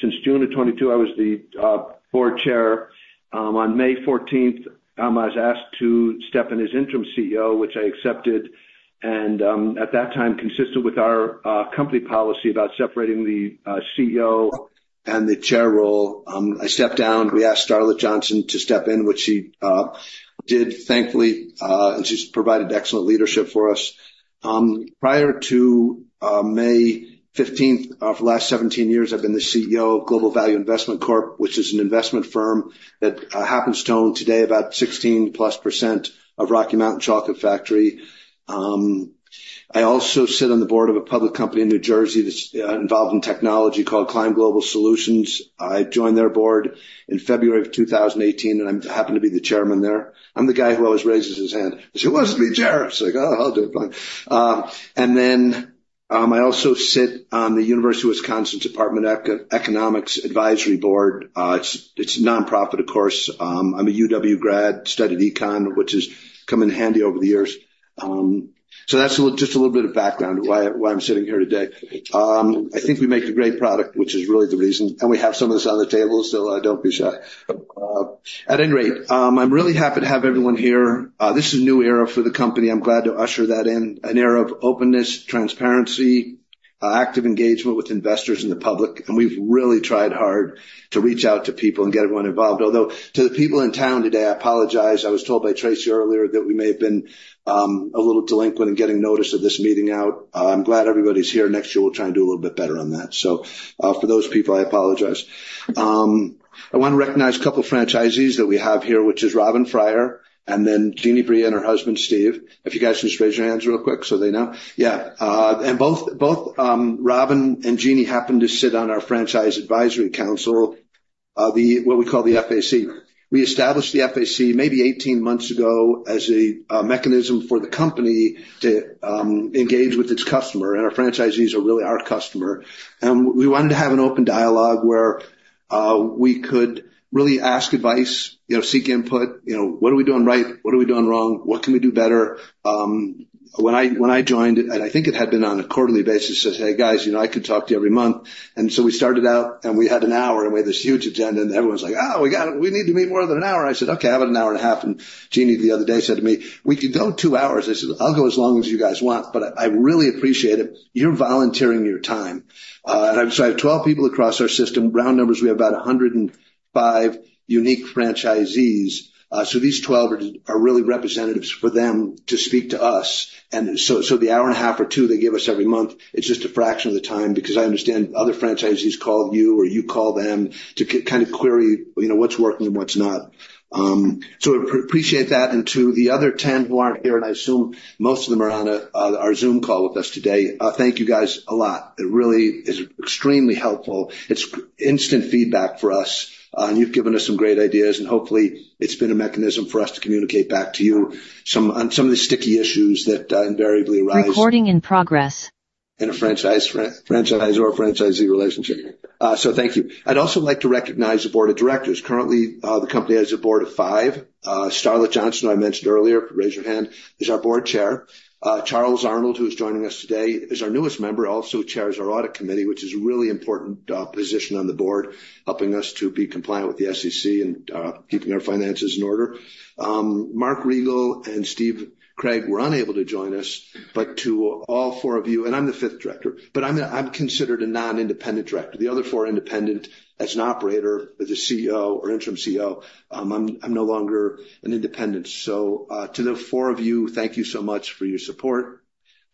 Since June of 2022, I was the board chair. On May fourteenth, I was asked to step in as interim CEO, which I accepted, and at that time, consistent with our company policy about separating the CEO and the chair role, I stepped down. We asked Starla Johnson to step in, which she did, thankfully, and she's provided excellent leadership for us. Prior to May fifteenth, for the last 17 years, I've been the CEO of Global Value Investment Corp, which is an investment firm that happens to own today about 16% of Rocky Mountain Chocolate Factory. I also sit on the board of a public company in New Jersey that's involved in technology called Climb Global Solutions. I joined their board in February of two thousand and eighteen, and I happen to be the chairman there. I'm the guy who always raises his hand. They say, "Who wants to be chair?" I say, "Oh, I'll do it, fine." And then, I also sit on the University of Wisconsin Department of Economics Advisory Board. It's a nonprofit, of course. I'm a UW grad, studied econ, which has come in handy over the years. So that's a little, just a little bit of background on why I'm sitting here today. I think we make a great product, which is really the reason, and we have some of this on the table, so, don't be shy. At any rate, I'm really happy to have everyone here. This is a new era for the company. I'm glad to usher that in. An era of openness, transparency, active engagement with investors and the public, and we've really tried hard to reach out to people and get everyone involved. Although to the people in town today, I apologize. I was told by Tracy earlier that we may have been a little delinquent in getting notice of this meeting out. I'm glad everybody's here. Next year, we'll try and do a little bit better on that. So for those people, I apologize. I want to recognize a couple of franchisees that we have here, which is Robin Fryer and then Jeannie Bria and her husband, Steve. If you guys can just raise your hands real quick, so they know. And both Robin and Jeannie happen to sit on our Franchise Advisory Council, what we call the FAC. We established the FAC maybe eighteen months ago as a mechanism for the company to engage with its customer, and our franchisees are really our customer. And we wanted to have an open dialogue where we could really ask advice, you know, seek input, you know, what are we doing right? What are we doing wrong? What can we do better? When I joined, and I think it had been on a quarterly basis, said, "Hey, guys, you know, I can talk to you every month." And so we started out, and we had an hour, and we had this huge agenda, and everyone's like, "Oh, we got-- We need to meet more than an hour." I said, "Okay, how about an hour and a half?" And Jeannie the other day said to me, "We could go two hours." I said, "I'll go as long as you guys want, but I, I really appreciate it. You're volunteering your time." And so I have 12 people across our system. Round numbers, we have about 105 unique franchisees. So these 12 are really representatives for them to speak to us. And so the hour and a half or two they give us every month, it's just a fraction of the time, because I understand other franchisees call you or you call them to kind of query, you know, what's working and what's not. So appreciate that. And to the other ten who aren't here, and I assume most of them are on our Zoom call with us today, thank you guys a lot. It really is extremely helpful. It's instant feedback for us, and you've given us some great ideas, and hopefully, it's been a mechanism for us to communicate back to you some on some of the sticky issues that invariably arise. Recording in progress. in a franchise, franchisor or franchisee relationship. So thank you. I'd also like to recognize the board of directors. Currently, the company has a board of five. Starla Johnson, who I mentioned earlier, raise your hand, is our board chair. Charles Arnold, who is joining us today, is our newest member, also chairs our audit committee, which is a really important position on the board, helping us to be compliant with the SEC and keeping our finances in order. Mark Riegel and Steve Craig were unable to join us, but to all four of you, and I'm the fifth director, but I'm considered a non-independent director. The other four are independent. As an operator, as a CEO or interim CEO, I'm no longer an independent. So, to the four of you, thank you so much for your support,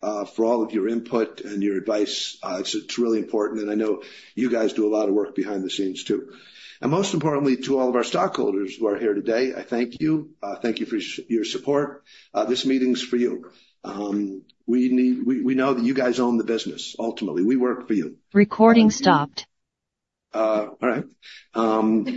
for all of your input and your advice. It's really important, and I know you guys do a lot of work behind the scenes, too. And most importantly, to all of our stockholders who are here today, I thank you. Thank you for your support. This meeting's for you. We know that you guys own the business. Ultimately, we work for you. Recording stopped. All right. On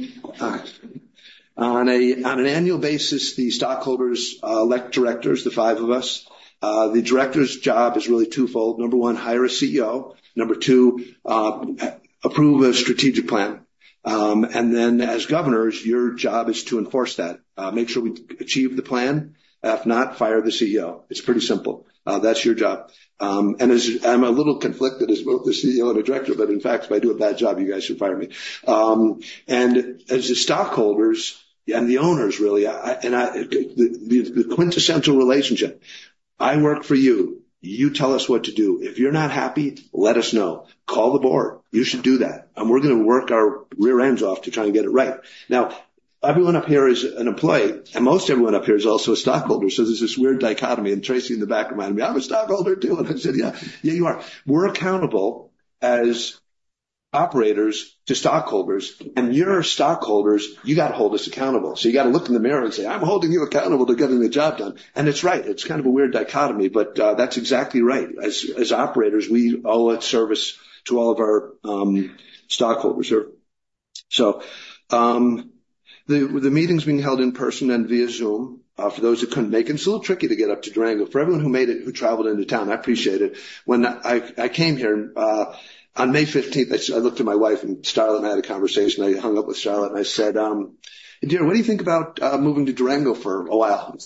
an annual basis, the stockholders elect directors, the five of us. The directors' job is really twofold. Number one, hire a CEO. Number two, approve a strategic plan. And then, as governors, your job is to enforce that. Make sure we achieve the plan. If not, fire the CEO. It's pretty simple. That's your job. I'm a little conflicted as both the CEO and a director, but in fact, if I do a bad job, you guys should fire me. And as the stockholders and the owners, really, the quintessential relationship, I work for you. You tell us what to do. If you're not happy, let us know. Call the board. You should do that, and we're gonna work our rear ends off to try and get it right. Now, everyone up here is an employee, and most everyone up here is also a stockholder, so there's this weird dichotomy, and Tracy in the back reminded me, "I'm a stockholder, too," and I said, "Yeah. Yeah, you are." We're accountable as operators to stockholders, and you're stockholders, you got to hold us accountable. So you got to look in the mirror and say, "I'm holding you accountable to getting the job done," and it's right. It's kind of a weird dichotomy, but that's exactly right. As operators, we owe a service to all of our stockholders here. So the meeting's being held in person and via Zoom for those who couldn't make it, and it's a little tricky to get up to Durango. For everyone who made it, who traveled into town, I appreciate it. When I came here on May fifteenth, I looked at my wife, and Charlotte and I had a conversation. I hung up with Charlotte, and I said, "Dear, what do you think about moving to Durango for a while?"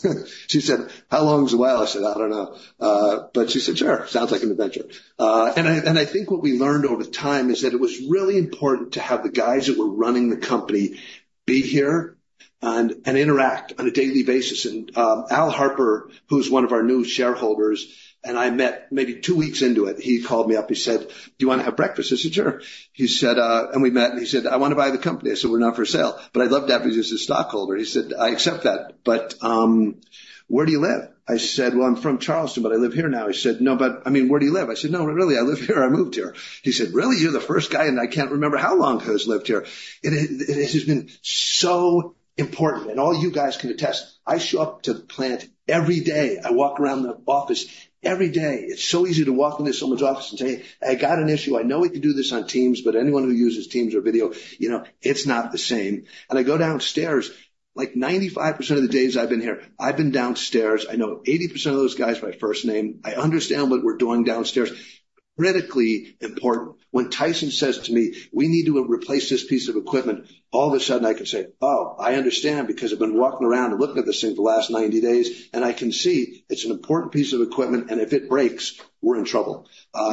She said, "How long is a while?" I said, "I don't know." But she said, "Sure, sounds like an adventure." And I think what we learned over time is that it was really important to have the guys that were running the company be here and interact on a daily basis. Al Harper, who's one of our new shareholders, and I met maybe two weeks into it. He called me up, he said, "Do you wanna have breakfast?" I said, "Sure." He said, We met, and he said, "I wanna buy the company." I said, "We're not for sale, but I'd love to have you as a stockholder." He said, "I accept that, but, where do you live?" I said, "Well, I'm from Charleston, but I live here now." He said, "No, but, I mean, where do you live?" I said, "No, really, I live here. I moved here." He said, "Really? You're the first guy in I can't remember how long, who has lived here." It has been so important, and all you guys can attest, I show up to the plant every day. I walk around the office every day. It's so easy to walk into someone's office and say, "Hey, I got an issue." I know we can do this on Teams, but anyone who uses Teams or video, you know, it's not the same. I go downstairs, like, 95% of the days I've been here, I've been downstairs. I know 80% of those guys by first name. I understand what we're doing downstairs. Critically important. When Tyson says to me, "We need to replace this piece of equipment," all of a sudden, I can say, "Oh, I understand, because I've been walking around and looking at this thing for the last 90 days, and I can see it's an important piece of equipment, and if it breaks, we're in trouble."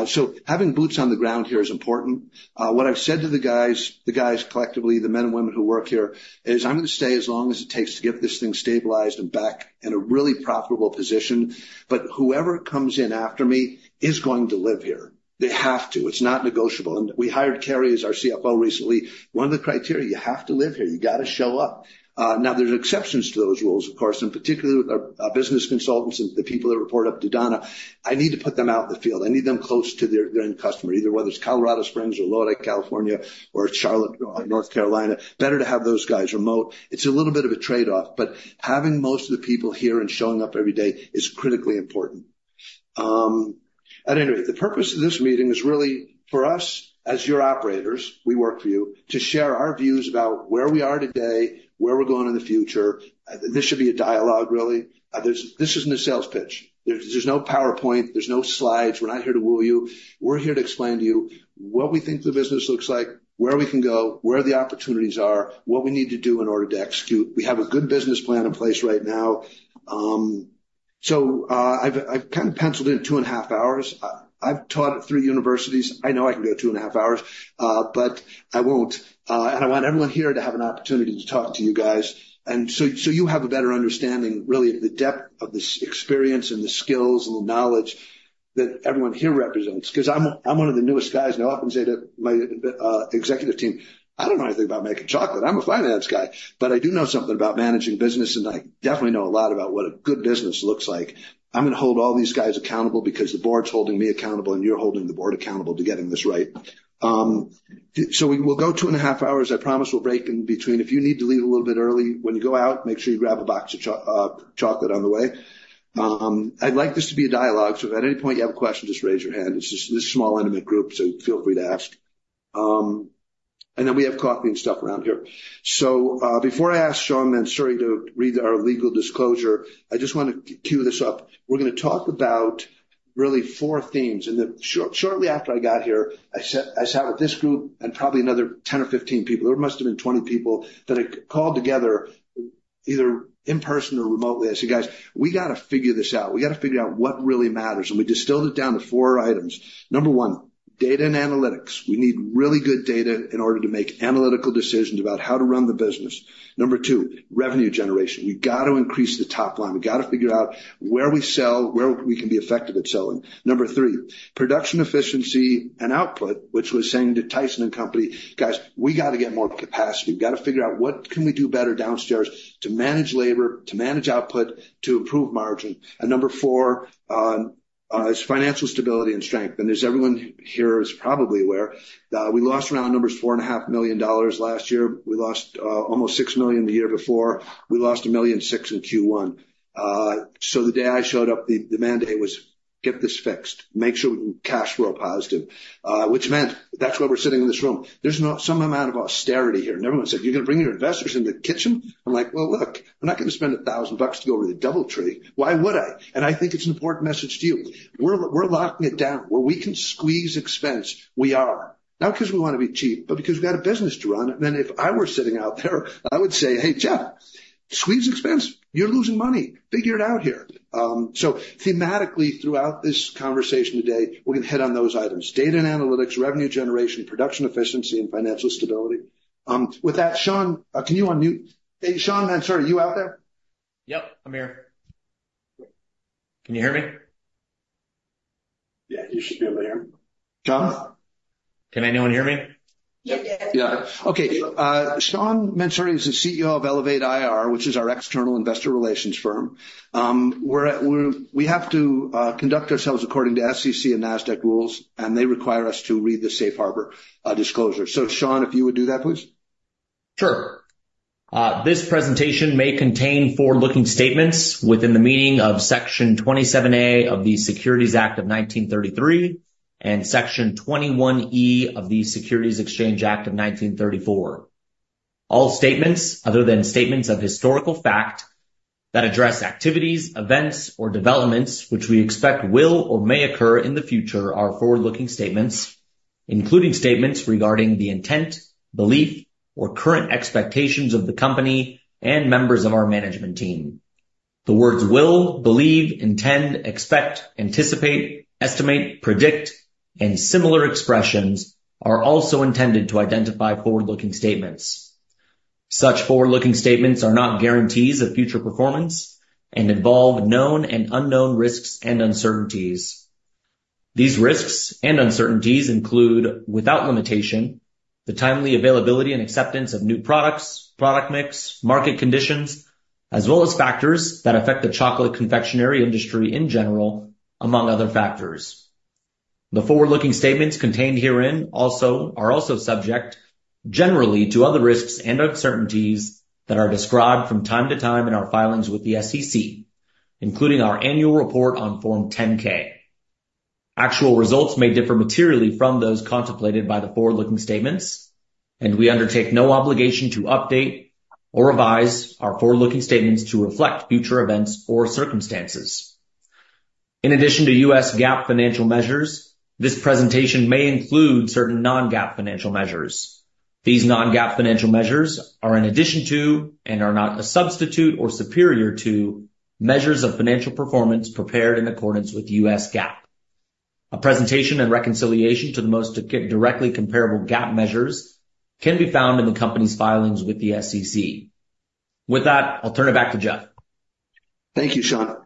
So having boots on the ground here is important. What I've said to the guys, the guys collectively, the men and women who work here, is I'm gonna stay as long as it takes to get this thing stabilized and back in a really profitable position. But whoever comes in after me is going to live here. They have to. It's not negotiable, and we hired Carrie as our CFO recently. One of the criteria, you have to live here. You gotta show up. Now, there's exceptions to those rules, of course, and particularly with our business consultants and the people that report up to Donna, I need to put them out in the field. I need them close to their end customer, either whether it's Colorado Springs or Lodi, California, or Charlotte, North Carolina. Better to have those guys remote. It's a little bit of a trade-off, but having most of the people here and showing up every day is critically important. At any rate, the purpose of this meeting is really for us, as your operators, we work for you, to share our views about where we are today, where we're going in the future. This should be a dialogue, really. This isn't a sales pitch. There's no PowerPoint. There's no slides. We're not here to woo you. We're here to explain to you what we think the business looks like, where we can go, where the opportunities are, what we need to do in order to execute. We have a good business plan in place right now. I've kind of penciled in two and a half hours. I've taught at three universities. I know I can go two and a half hours, but I won't. I want everyone here to have an opportunity to talk to you guys, and so you have a better understanding, really, of the depth of this experience and the skills and the knowledge that everyone here represents. 'Cause I'm one of the newest guys, and I often say to my executive team, "I don't know anything about making chocolate. I'm a finance guy, but I do know something about managing business, and I definitely know a lot about what a good business looks like." I'm gonna hold all these guys accountable because the board's holding me accountable, and you're holding the board accountable to getting this right. So we will go two and a half hours. I promise we'll break in between. If you need to leave a little bit early, when you go out, make sure you grab a box of chocolate on the way. I'd like this to be a dialogue, so if at any point you have a question, just raise your hand. It's just this small, intimate group, so feel free to ask. Then we have coffee and stuff around here. Before I ask Sean and Carrie to read our legal disclosure, I just want to cue this up. We're gonna talk about really four themes, and then shortly after I got here, I sat with this group and probably another 10 or 15 people. There must have been 20 people that I called together, either in person or remotely. I said, "Guys, we got to figure this out. We got to figure out what really matters." We distilled it down to four items. Number one, data and analytics. We need really good data in order to make analytical decisions about how to run the business. Number two, revenue generation. We've got to increase the top line. We've got to figure out where we sell, where we can be effective at selling. Number three, production efficiency and output, which was saying to Tyson and company, "Guys, we got to get more capacity. We've got to figure out what can we do better downstairs to manage labor, to manage output, to improve margin." And number four is financial stability and strength. And as everyone here is probably aware, we lost round numbers, $4.5 million last year. We lost almost $6 million the year before. We lost $1.6 million in Q1. So the day I showed up, the mandate was: Get this fixed. Make sure cash flow positive, which meant that's why we're sitting in this room. There's now some amount of austerity here, and everyone said, "You're gonna bring your investors in the kitchen?" I'm like: Well, look, I'm not gonna spend a thousand bucks to go over the DoubleTree. Why would I? And I think it's an important message to you. We're, we're locking it down. Where we can squeeze expense, we are. Not 'cause we wanna be cheap, but because we've got a business to run. And if I were sitting out there, I would say, "Hey, Jeff, squeeze expense. You're losing money. Figure it out here." So thematically, throughout this conversation today, we're gonna hit on those items, data and analytics, revenue generation, production efficiency, and financial stability. With that, Sean, can you unmute? Hey, Sean Mansouri, are you out there? Yep, I'm here. Can you hear me? Yeah, you should be able to hear me. Sean? Can anyone hear me? Yep. Yeah. Okay, Sean Mansouri is the CEO of Elevate IR, which is our external investor relations firm. We have to conduct ourselves according to SEC and Nasdaq rules, and they require us to read the Safe Harbor disclosure. So Sean, if you would do that, please. Sure. This presentation may contain forward-looking statements within the meaning of Section 27A of the Securities Act of 1993 and Section 21E of the Securities Exchange Act of 1934. All statements, other than statements of historical fact, that address activities, events, or developments which we expect will or may occur in the future are forward-looking statements, including statements regarding the intent, belief, or current expectations of the company and members of our management team. The words will, believe, intend, expect, anticipate, estimate, predict, and similar expressions are also intended to identify forward-looking statements. Such forward-looking statements are not guarantees of future performance and involve known and unknown risks and uncertainties. These risks and uncertainties include, without limitation, the timely availability and acceptance of new products, product mix, market conditions, as well as factors that affect the chocolate confectionery industry in general, among other factors. The forward-looking statements contained herein are also subject, generally, to other risks and uncertainties that are described from time to time in our filings with the SEC, including our annual report on Form 10-K. Actual results may differ materially from those contemplated by the forward-looking statements, and we undertake no obligation to update or revise our forward-looking statements to reflect future events or circumstances. In addition to US GAAP financial measures, this presentation may include certain non-GAAP financial measures. These non-GAAP financial measures are in addition to, and are not a substitute or superior to, measures of financial performance prepared in accordance with US GAAP. A presentation and reconciliation to the most directly comparable GAAP measures can be found in the company's filings with the SEC. With that, I'll turn it back to Jeff. Thank you, Sean.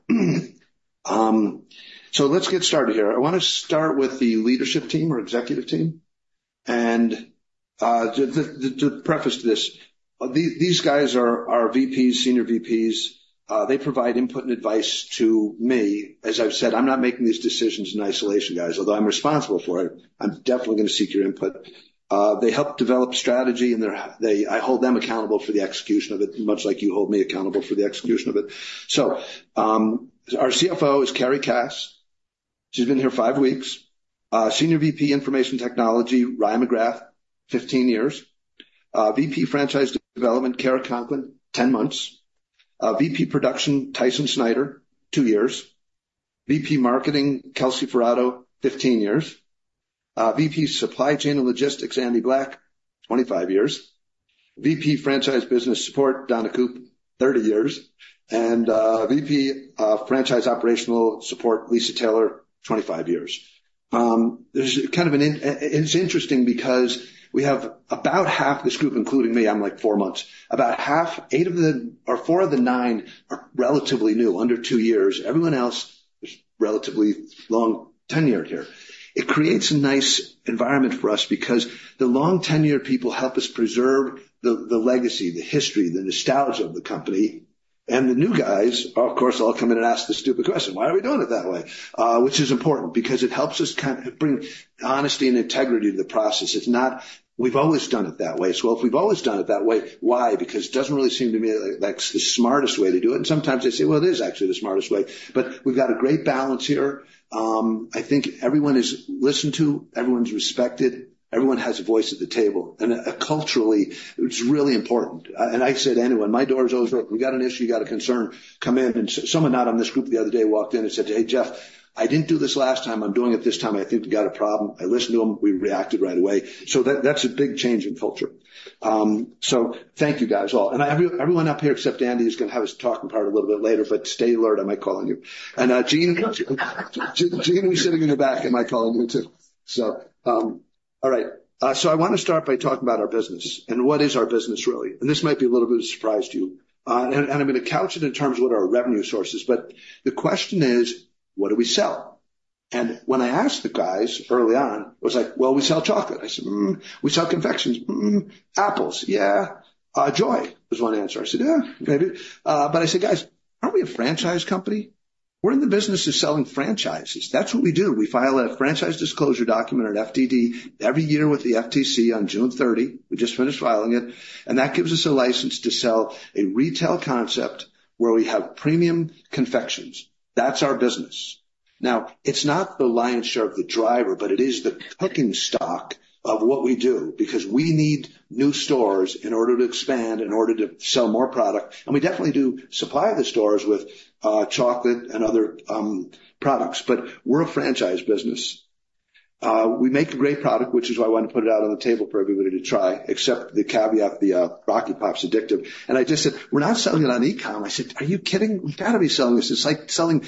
So let's get started here. I want to start with the leadership team or executive team, and to preface this, these guys are VPs, senior VPs. They provide input and advice to me. As I've said, I'm not making these decisions in isolation, guys, although I'm responsible for it. I'm definitely going to seek your input. They help develop strategy, and they're. I hold them accountable for the execution of it, much like you hold me accountable for the execution of it. Our CFO is Carrie Cass. She's been here five weeks. Senior VP, Information Technology, Ryan McGrath, 15 years. VP, Franchise Development, Kara Conklin, 10 months. VP, Production, Tyson Snyder, 2 years. VP, Marketing, Kelsey Ferrato, 15 years. VP, Supply Chain and Logistics, Andy Black, 25 years. VP, Franchise Business Support, Donna Coupe, 30 years. And VP, Franchise Operational Support, Lisa Taylor, 25 years. There's kind of an and it's interesting because we have about half this group, including me, I'm like four months. About half, eight of the or four of the nine are relatively new, under two years. Everyone else is relatively long tenured here. It creates a nice environment for us because the long tenured people help us preserve the legacy, the history, the nostalgia of the company. And the new guys, of course, all come in and ask the stupid question, "Why are we doing it that way?" Which is important because it helps us kind of bring honesty and integrity to the process. It's not, "We've always done it that way." So if we've always done it that way, why? Because it doesn't really seem to me like that's the smartest way to do it, and sometimes they say, "Well, it is actually the smartest way." But we've got a great balance here. I think everyone is listened to, everyone's respected, everyone has a voice at the table, and culturally, it's really important. And I said to anyone, "My door is always open. If you got an issue, you got a concern, come in." And someone not on this group the other day walked in and said, "Hey, Jeff, I didn't do this last time. I'm doing it this time, and I think we got a problem." I listened to him. We reacted right away. So that, that's a big change in culture. So thank you, guys, all. Everyone up here, except Andy, is going to have his talking part a little bit later, but stay alert. I might call on you. Jean will be sitting in the back. I might call on you, too. All right. I want to start by talking about our business, and what is our business, really? This might be a little bit of a surprise to you. I'm going to couch it in terms of what are our revenue sources, but the question is, what do we sell? When I asked the guys early on, it was like, "Well, we sell chocolate." I said, "Mm. We sell confections. Mm-hmm. Apples. Yeah. Joy," was one answer. I said, "Yeah, maybe." But I said, "Guys, aren't we a franchise company? We're in the business of selling franchises." That's what we do. We file a franchise disclosure document, an FDD, every year with the FTC on June thirty. We just finished filing it, and that gives us a license to sell a retail concept where we have premium confections. That's our business. Now, it's not the lion's share of the driver, but it is the picking stock of what we do, because we need new stores in order to expand, in order to sell more product. And we definitely do supply the stores with chocolate and other products, but we're a franchise business. We make a great product, which is why I wanted to put it out on the table for everybody to try, except the caveat, the Rocky Pop's addictive. And I just said, "We're not selling it on e-com." I said, "Are you kidding? We've got to be selling this. It's like selling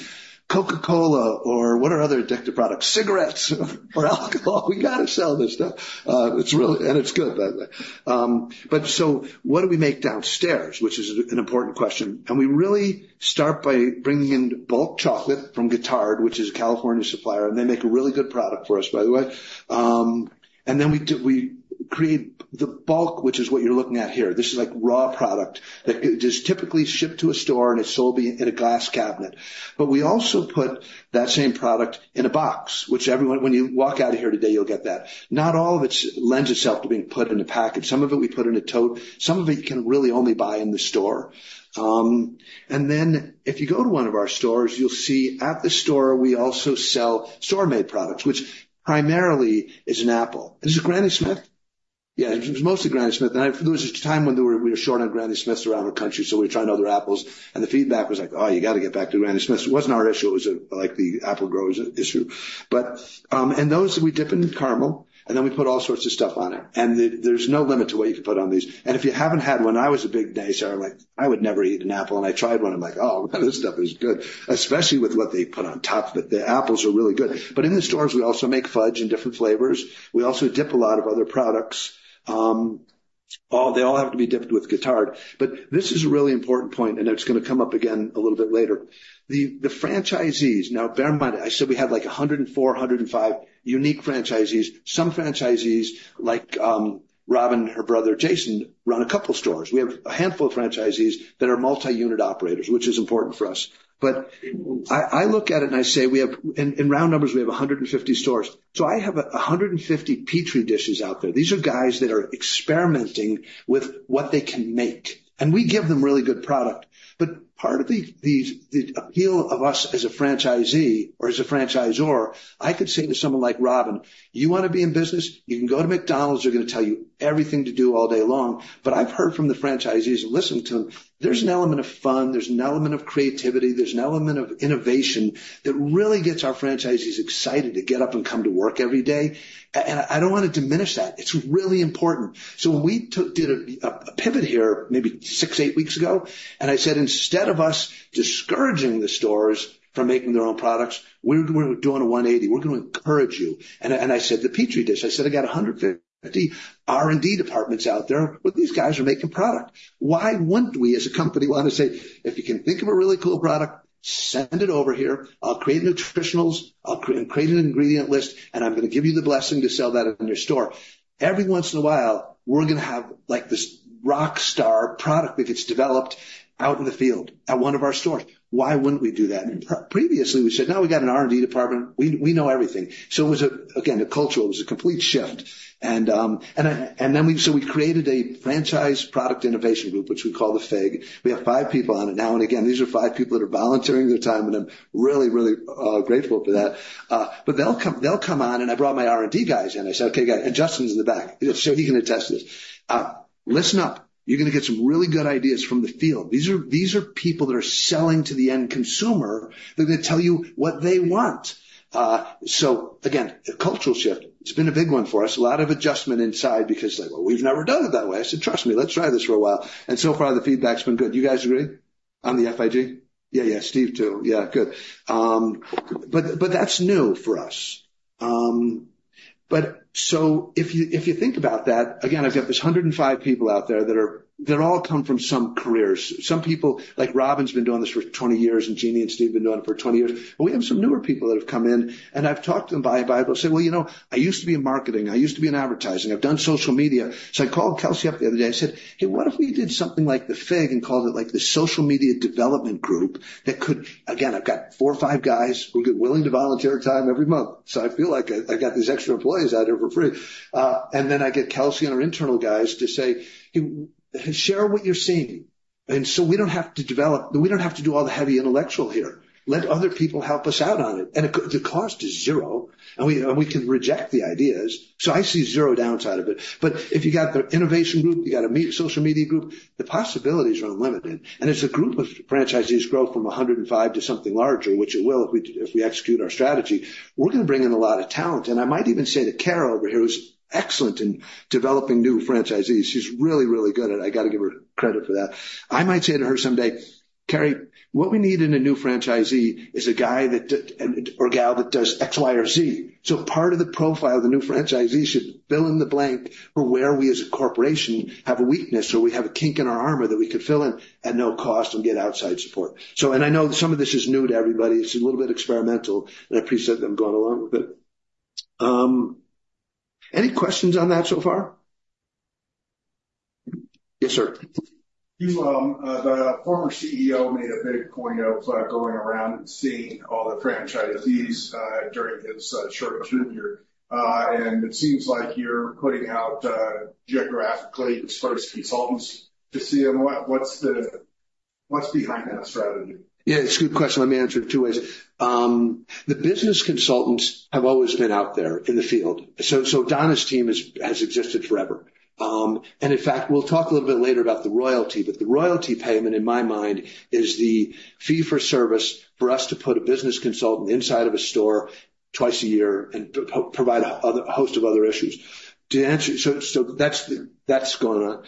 Coca-Cola or what are other addictive products? Cigarettes or alcohol. We got to sell this stuff. It's really, and it's good, by the way. But what do we make downstairs? Which is an important question, and we really start by bringing in bulk chocolate from Guittard, which is a California supplier, and they make a really good product for us, by the way. And then we create the bulk, which is what you're looking at here. This is like raw product that is typically shipped to a store, and it's sold in a glass cabinet. But we also put that same product in a box, which everyone, when you walk out of here today, you'll get that. Not all of it lends itself to being put in a package. Some of it, we put in a tote. Some of it, you can really only buy in the store. And then if you go to one of our stores, you'll see at the store, we also sell store-made products, which primarily is an apple. This is Granny Smith? Yeah, it was mostly Granny Smith. And there was a time when there were, we were short on Granny Smiths around the country, so we tried other apples, and the feedback was like, oh, you got to get back to Granny Smiths. It wasn't our issue. It was, like, the apple grower's issue. But and those we dip in caramel, and then we put all sorts of stuff on it, and there's no limit to what you can put on these. If you haven't had one, I was a big naysayer, like, I would never eat an apple, and I tried one, I'm like, oh, this stuff is good, especially with what they put on top. The apples are really good. In the stores, we also make fudge in different flavors. We also dip a lot of other products. They all have to be dipped with Guittard. This is a really important point, and it's going to come up again a little bit later. The franchisees, now bear in mind, I said we have, like, a hundred and four, hundred and five unique franchisees. Some franchisees, like, Robin, her brother Jason, run a couple stores. We have a handful of franchisees that are multi-unit operators, which is important for us. I look at it, and I say we have... In round numbers, we have a hundred and fifty stores, so I have a hundred and fifty petri dishes out there. These are guys that are experimenting with what they can make, and we give them really good product. But part of the appeal of us as a franchisee or as a franchisor, I could say to someone like Robin, "You want to be in business, you can go to McDonald's. They're going to tell you everything to do all day long." But I've heard from the franchisees, listened to them. There's an element of fun, there's an element of creativity, there's an element of innovation that really gets our franchisees excited to get up and come to work every day, and I don't want to diminish that. It's really important. So when we did a pivot here maybe six-eight weeks ago, and I said, instead of us discouraging the stores from making their own products, we're doing a one eighty. We're going to encourage you. And I said, the petri dish. I said, I got a hundred and fifty R&D departments out there, but these guys are making product. Why wouldn't we, as a company, want to say, "If you can think of a really cool product, send it over here. I'll create nutritionals, I'll create an ingredient list, and I'm going to give you the blessing to sell that in your store." Every once in a while, we're going to have, like, this rock star product that gets developed out in the field at one of our stores. Why wouldn't we do that? Previously, we said, "No, we got an R&D department. We, we know everything." So it was again a cultural, it was a complete shift. And then we... So we created a Franchise Product Innovation Group, which we call the FIG. We have five people on it now, and again, these are five people that are volunteering their time, and I'm really, really grateful for that. But they'll come, they'll come on, and I brought my R&D guys in. I said, "Okay, guys," and Justin's in the back, so he can attest to this. "Listen up. You're going to get some really good ideas from the field. These are, these are people that are selling to the end consumer. They're going to tell you what they want." So again, a cultural shift. It's been a big one for us, a lot of adjustment inside, because, like, "Well, we've never done it that way." I said, "Trust me, let's try this for a while." And so far, the feedback's been good. You guys agree on the FIG? Yeah. Yeah, Steve, too. Yeah. Good. But that's new for us. But so if you think about that, again, I've got these 105 people out there that are, they all come from some careers. Some people, like Robin's, been doing this for 20 years, and Jeannie and Steve have been doing it for 20 years, but we have some newer people that have come in, and I've talked to them one by one, but say, "Well, you know, I used to be in marketing. I used to be in advertising. I've done social media." So I called Kelsey up the other day. I said, "Hey, what if we did something like the FIG and called it, like, the Social Media Development Group that could..." Again, I've got four or five guys who are willing to volunteer their time every month, so I feel like I got these extra employees out here for free. And then I get Kelsey and our internal guys to say, "Hey, share what you're seeing." And so we don't have to develop, we don't have to do all the heavy intellectual here. Let other people help us out on it, and the cost is zero, and we can reject the ideas, so I see zero downside of it. But if you got the innovation group, you got a social media group, the possibilities are unlimited. As the group of franchisees grow from a hundred and five to something larger, which it will, if we, if we execute our strategy, we're going to bring in a lot of talent. I might even say that Kara over here, who's excellent in developing new franchisees, she's really, really good at it. I got to give her credit for that. I might say to her someday, "Carrie, what we need in a new franchisee is a guy that or gal that does X, Y, or Z." So part of the profile of the new franchisee should fill in the blank for where we as a corporation have a weakness, or we have a kink in our armor that we could fill in at no cost and get outside support. So. I know some of this is new to everybody. It's a little bit experimental, and I appreciate them going along with it. Any questions on that so far? Yes, sir. You, the former CEO made a big point of going around and seeing all the franchisees during his short tenure. And it seems like you're putting out geographically dispersed consultants to see them. What's behind that strategy? Yeah, it's a good question. Let me answer it two ways. The business consultants have always been out there in the field, so Donna's team has existed forever. And in fact, we'll talk a little bit later about the royalty, but the royalty payment, in my mind, is the fee for service for us to put a business consultant inside of a store twice a year and provide a host of other issues. To answer. So that's going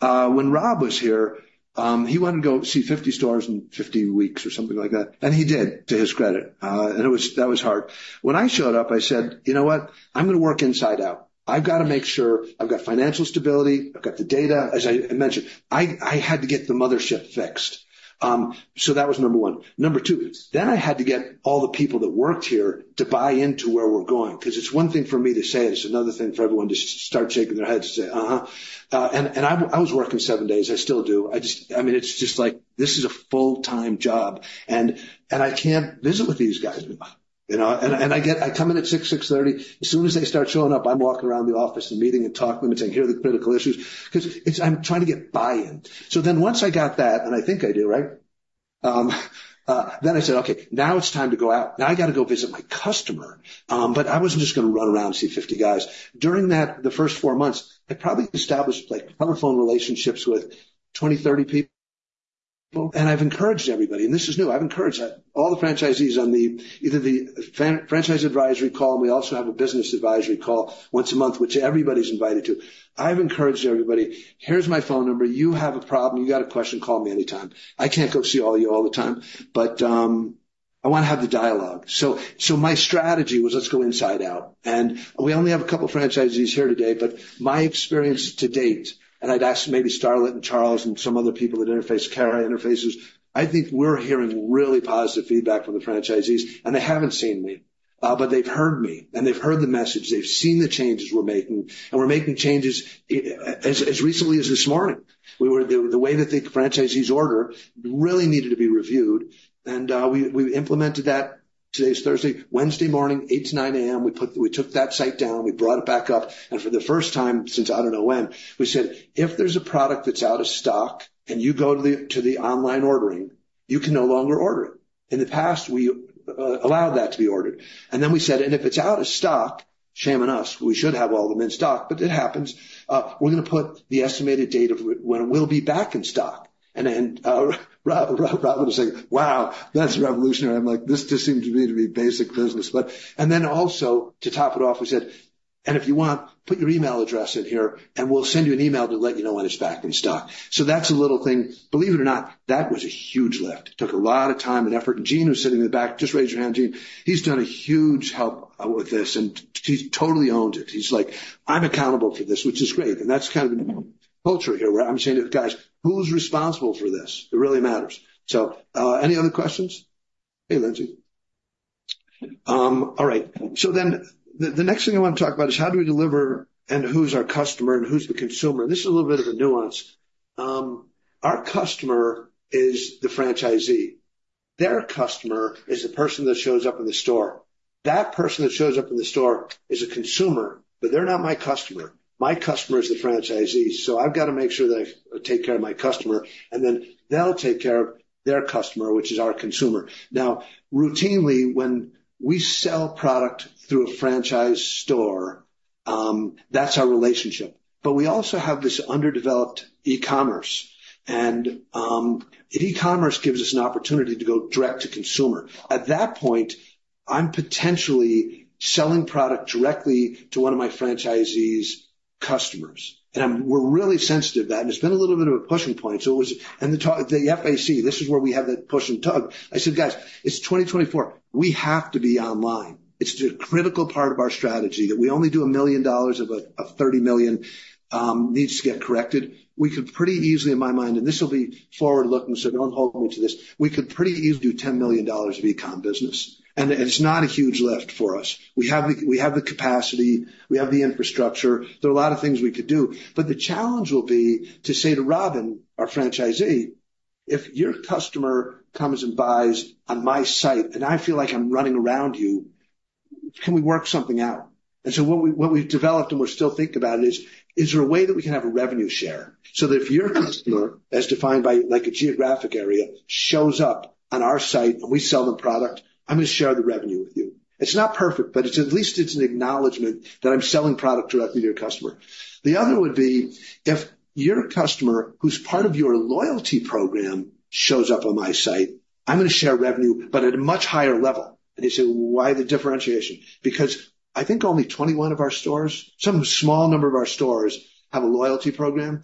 on. When Rob was here, he wanted to go see 50 stores in 50 weeks or something like that, and he did, to his credit. And it was that was hard. When I showed up, I said, "You know what? I'm going to work inside out. I've got to make sure I've got financial stability. I've got the data." As I mentioned, I had to get the mothership fixed. So that was number one. Number two, then I had to get all the people that worked here to buy into where we're going, because it's one thing for me to say it, it's another thing for everyone to start shaking their heads and say, "uh-huh." And I was working seven days. I still do. I just, I mean, it's just like, this is a full-time job, and I can't visit with these guys, you know, and I get. I come in at six, six thirty. As soon as they start showing up, I'm walking around the office and meeting and talking to them and saying, "Here are the critical issues," because it's, I'm trying to get buy-in. Once I got that, and I think I do, right? I said, "Okay, now it's time to go out. Now I got to go visit my customer." But I wasn't just gonna run around and see fifty guys. During that, the first four months, I probably established, like, telephone relationships with twenty, thirty people, and I've encouraged everybody, and this is new. I've encouraged all the franchisees on either the franchise advisory call, and we also have a business advisory call once a month, which everybody's invited to. I've encouraged everybody, "Here's my phone number. You have a problem, you got a question, call me anytime." I can't go see all of you all the time, but I want to have the dialogue. My strategy was, let's go inside out, and we only have a couple of franchisees here today, but my experience to date, and I'd ask maybe Starlette and Charles and some other people that interface, Kara interfaces, I think we're hearing really positive feedback from the franchisees, and they haven't seen me, but they've heard me, and they've heard the message. They've seen the changes we're making, and we're making changes as recently as this morning. The way that the franchisees order really needed to be reviewed, and we implemented that. Today is Thursday. Wednesday morning, 8:00 to 9:00 A.M., we took that site down, we brought it back up, and for the first time since I don't know when, we said, "If there's a product that's out of stock and you go to the online ordering, you can no longer order it." In the past, we allowed that to be ordered, and then we said, "And if it's out of stock," shame on us, we should have all of them in stock, but it happens, "we're going to put the estimated date of when it will be back in stock." And then, Rob, Robin was saying, "Wow, that's revolutionary." I'm like, "This just seems to me to be basic business," and then also, to top it off, we said, "And if you want, put your email address in here, and we'll send you an email to let you know when it's back in stock." So that's a little thing. Believe it or not, that was a huge lift. It took a lot of time and effort. Gene was sitting in the back. Just raise your hand, Gene. He's done a huge help with this, and he's totally owned it. He's like, "I'm accountable for this," which is great, and that's kind of the culture here, where I'm saying to the guys, "Who's responsible for this? It really matters." So, any other questions? Hey, Linsey. All right. So then the next thing I want to talk about is how do we deliver and who's our customer and who's the consumer? This is a little bit of a nuance. Our customer is the franchisee. Their customer is the person that shows up in the store. That person that shows up in the store is a consumer, but they're not my customer. My customer is the franchisee, so I've got to make sure that I take care of my customer, and then they'll take care of their customer, which is our consumer. Now, routinely, when we sell product through a franchise store, that's our relationship. But we also have this underdeveloped e-commerce, and the e-commerce gives us an opportunity to go direct to consumer. At that point, I'm potentially selling product directly to one of my franchisee's customers, and I'm--we're really sensitive to that, and it's been a little bit of a pushing point. So it was... And the talk, the FAC, this is where we have the push and tug. I said, "Guys, it's 2024. We have to be online." It's a critical part of our strategy, that we only do $1 million of $30 million, needs to get corrected. We could pretty easily, in my mind, and this will be forward-looking, so don't hold me to this, we could pretty easily do $10 million of e-com business, and it, it's not a huge lift for us. We have the, we have the capacity, we have the infrastructure. There are a lot of things we could do, but the challenge will be to say to Robin, our franchisee, "If your customer comes and buys on my site and I feel like I'm running around you, can we work something out?" And so what we, what we've developed and we're still thinking about is, is there a way that we can have a revenue share so that if your customer, as defined by, like, a geographic area, shows up on our site and we sell the product, I'm going to share the revenue with you. It's not perfect, but it's at least an acknowledgment that I'm selling product directly to your customer. The other would be, if your customer, who's part of your loyalty program, shows up on my site, I'm going to share revenue, but at a much higher level. And you say, "Why the differentiation?" Because I think only twenty-one of our stores, some small number of our stores, have a loyalty program.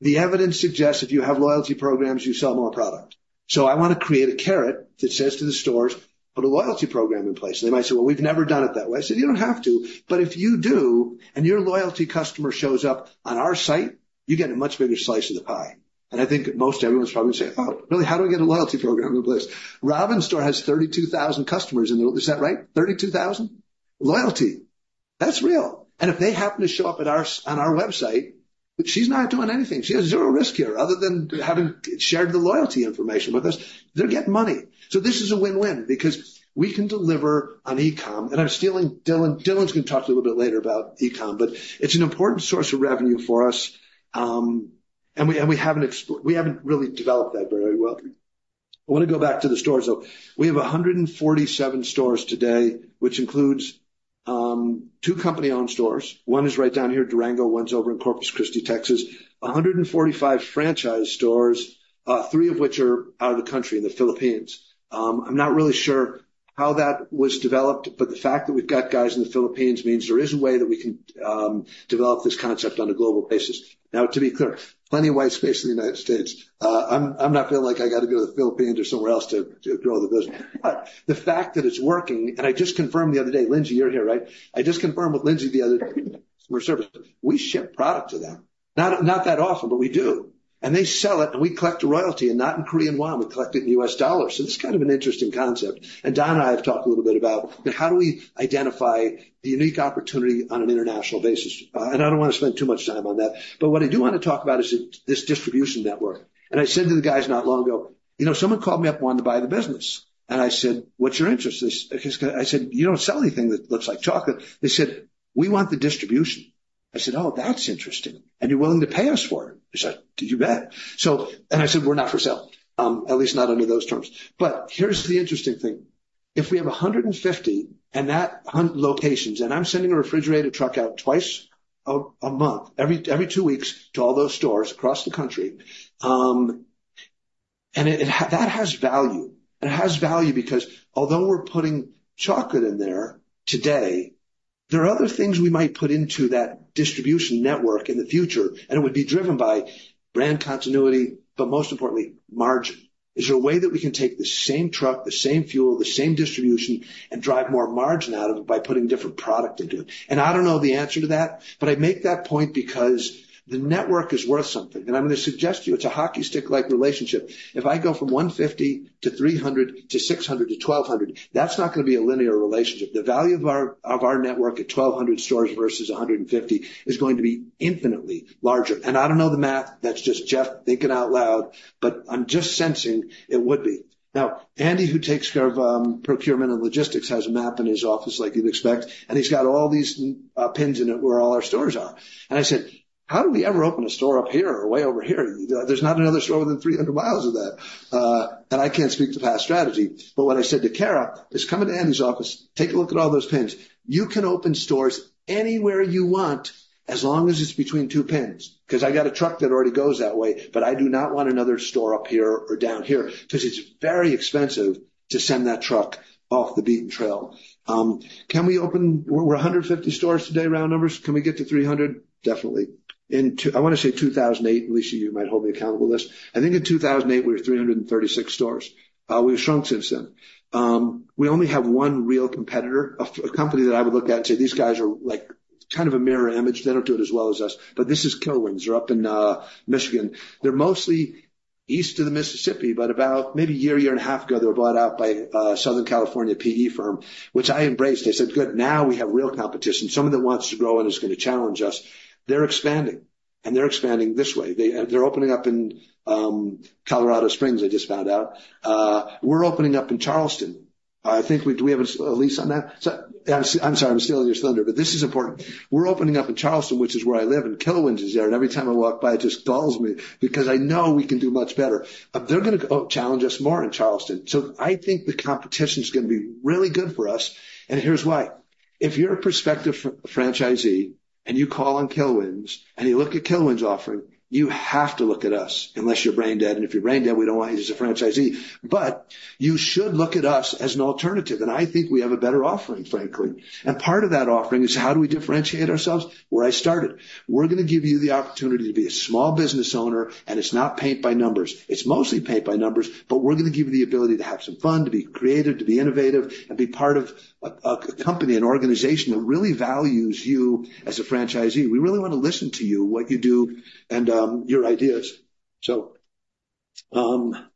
The evidence suggests if you have loyalty programs, you sell more product. So I want to create a carrot that says to the stores, "Put a loyalty program in place." They might say, "Well, we've never done it that way." I said, "You don't have to, but if you do, and your loyalty customer shows up on our site, you get a much bigger slice of the pie." And I think most everyone's probably saying, "Oh, really? How do we get a loyalty program in place?" Robin's store has thirty-two thousand customers in the... Is that right? Thirty-two thousand loyalty. That's real. And if they happen to show up at our - on our website, she's not doing anything. She has zero risk here other than having shared the loyalty information with us. They're getting money. So this is a win-win because we can deliver on e-com, and I'm stealing Dylan - Dylan's going to talk a little bit later about e-com, but it's an important source of revenue for us, and we haven't really developed that very well. I want to go back to the stores, though. We have a hundred and forty-seven stores today, which includes two company-owned stores. One is right down here, Durango, one's over in Corpus Christi, Texas. 145 franchise stores, three of which are out of the country, in the Philippines. I'm not really sure how that was developed, but the fact that we've got guys in the Philippines means there is a way that we can develop this concept on a global basis. Now, to be clear, plenty of white space in the United States. I'm not feeling like I got to go to the Philippines or somewhere else to grow the business, but the fact that it's working, and I just confirmed the other day... Lindsay, you're here, right? I just confirmed with Lindsay the other day, customer service, we ship product to them. Not that often, but we do, and they sell it, and we collect a royalty, and not in KRW, we collect it in USD. This is kind of an interesting concept, and Don and I have talked a little bit about how do we identify the unique opportunity on an international basis? And I don't want to spend too much time on that, but what I do want to talk about is this distribution network. And I said to the guys not long ago, "You know, someone called me up, wanted to buy the business." And I said, "What's your interest?" I said, "You don't sell anything that looks like chocolate." They said, "We want the distribution." I said, "Oh, that's interesting, and you're willing to pay us for it?" He said, "You bet." So and I said, "We're not for sale, at least not under those terms." But here's the interesting thing. If we have 150 locations, and I'm sending a refrigerated truck out twice a month, every two weeks to all those stores across the country, and that has value. It has value because although we're putting chocolate in there today, there are other things we might put into that distribution network in the future, and it would be driven by brand continuity, but most importantly, margin. Is there a way that we can take the same truck, the same fuel, the same distribution, and drive more margin out of it by putting different product into it? And I don't know the answer to that, but I make that point because the network is worth something, and I'm going to suggest to you it's a hockey stick-like relationship. If I go from one fifty to three hundred to six hundred to twelve hundred, that's not going to be a linear relationship. The value of our, of our network at twelve hundred stores versus a hundred and fifty is going to be infinitely larger. And I don't know the math. That's just Jeff thinking out loud, but I'm just sensing it would be. Now, Andy, who takes care of, procurement and logistics, has a map in his office, like you'd expect, and he's got all these, pins in it where all our stores are. And I said, "How did we ever open a store up here or way over here? There's not another store within three hundred miles of that." and I can't speak to past strategy, but what I said to Kara is, "Come into Andy's office, take a look at all those pins. You can open stores anywhere you want, as long as it's between two pins, because I got a truck that already goes that way, but I do not want another store up here or down here because it's very expensive to send that truck off the beaten trail." Can we open... We're a hundred and fifty stores today, round numbers. Can we get to three hundred? Definitely. In two... I want to say two thousand and eight, Alicia, you might hold me accountable to this. I think in two thousand and eight, we were three hundred and thirty-six stores. We've shrunk since then. We only have one real competitor, a company that I would look at and say, these guys are, like, kind of a mirror image. They don't do it as well as us, but this is Kilwins. They're up in Michigan. They're mostly east of the Mississippi, but about maybe a year, year and a half ago, they were bought out by a Southern California PE firm, which I embraced. I said, "Good, now we have real competition, someone that wants to grow and is going to challenge us." They're expanding, and they're expanding this way. They're opening up in Colorado Springs, I just found out. We're opening up in Charleston. I think we do we have a lease on that? So I'm sorry I'm stealing your thunder, but this is important. We're opening up in Charleston, which is where I live, and Kilwins is there, and every time I walk by, it just galls me because I know we can do much better. But they're going to go challenge us more in Charleston. So I think the competition is going to be really good for us, and here's why. If you're a prospective franchisee, and you call on Kilwins, and you look at Kilwins' offering, you have to look at us, unless you're brain dead, and if you're brain dead, we don't want you as a franchisee. But you should look at us as an alternative, and I think we have a better offering, frankly. And part of that offering is how do we differentiate ourselves? Where I started. We're going to give you the opportunity to be a small business owner, and it's not paint by numbers. It's mostly paint by numbers, but we're going to give you the ability to have some fun, to be creative, to be innovative, and be part of a company, an organization that really values you as a franchisee. We really want to listen to you, what you do, and your ideas. So, and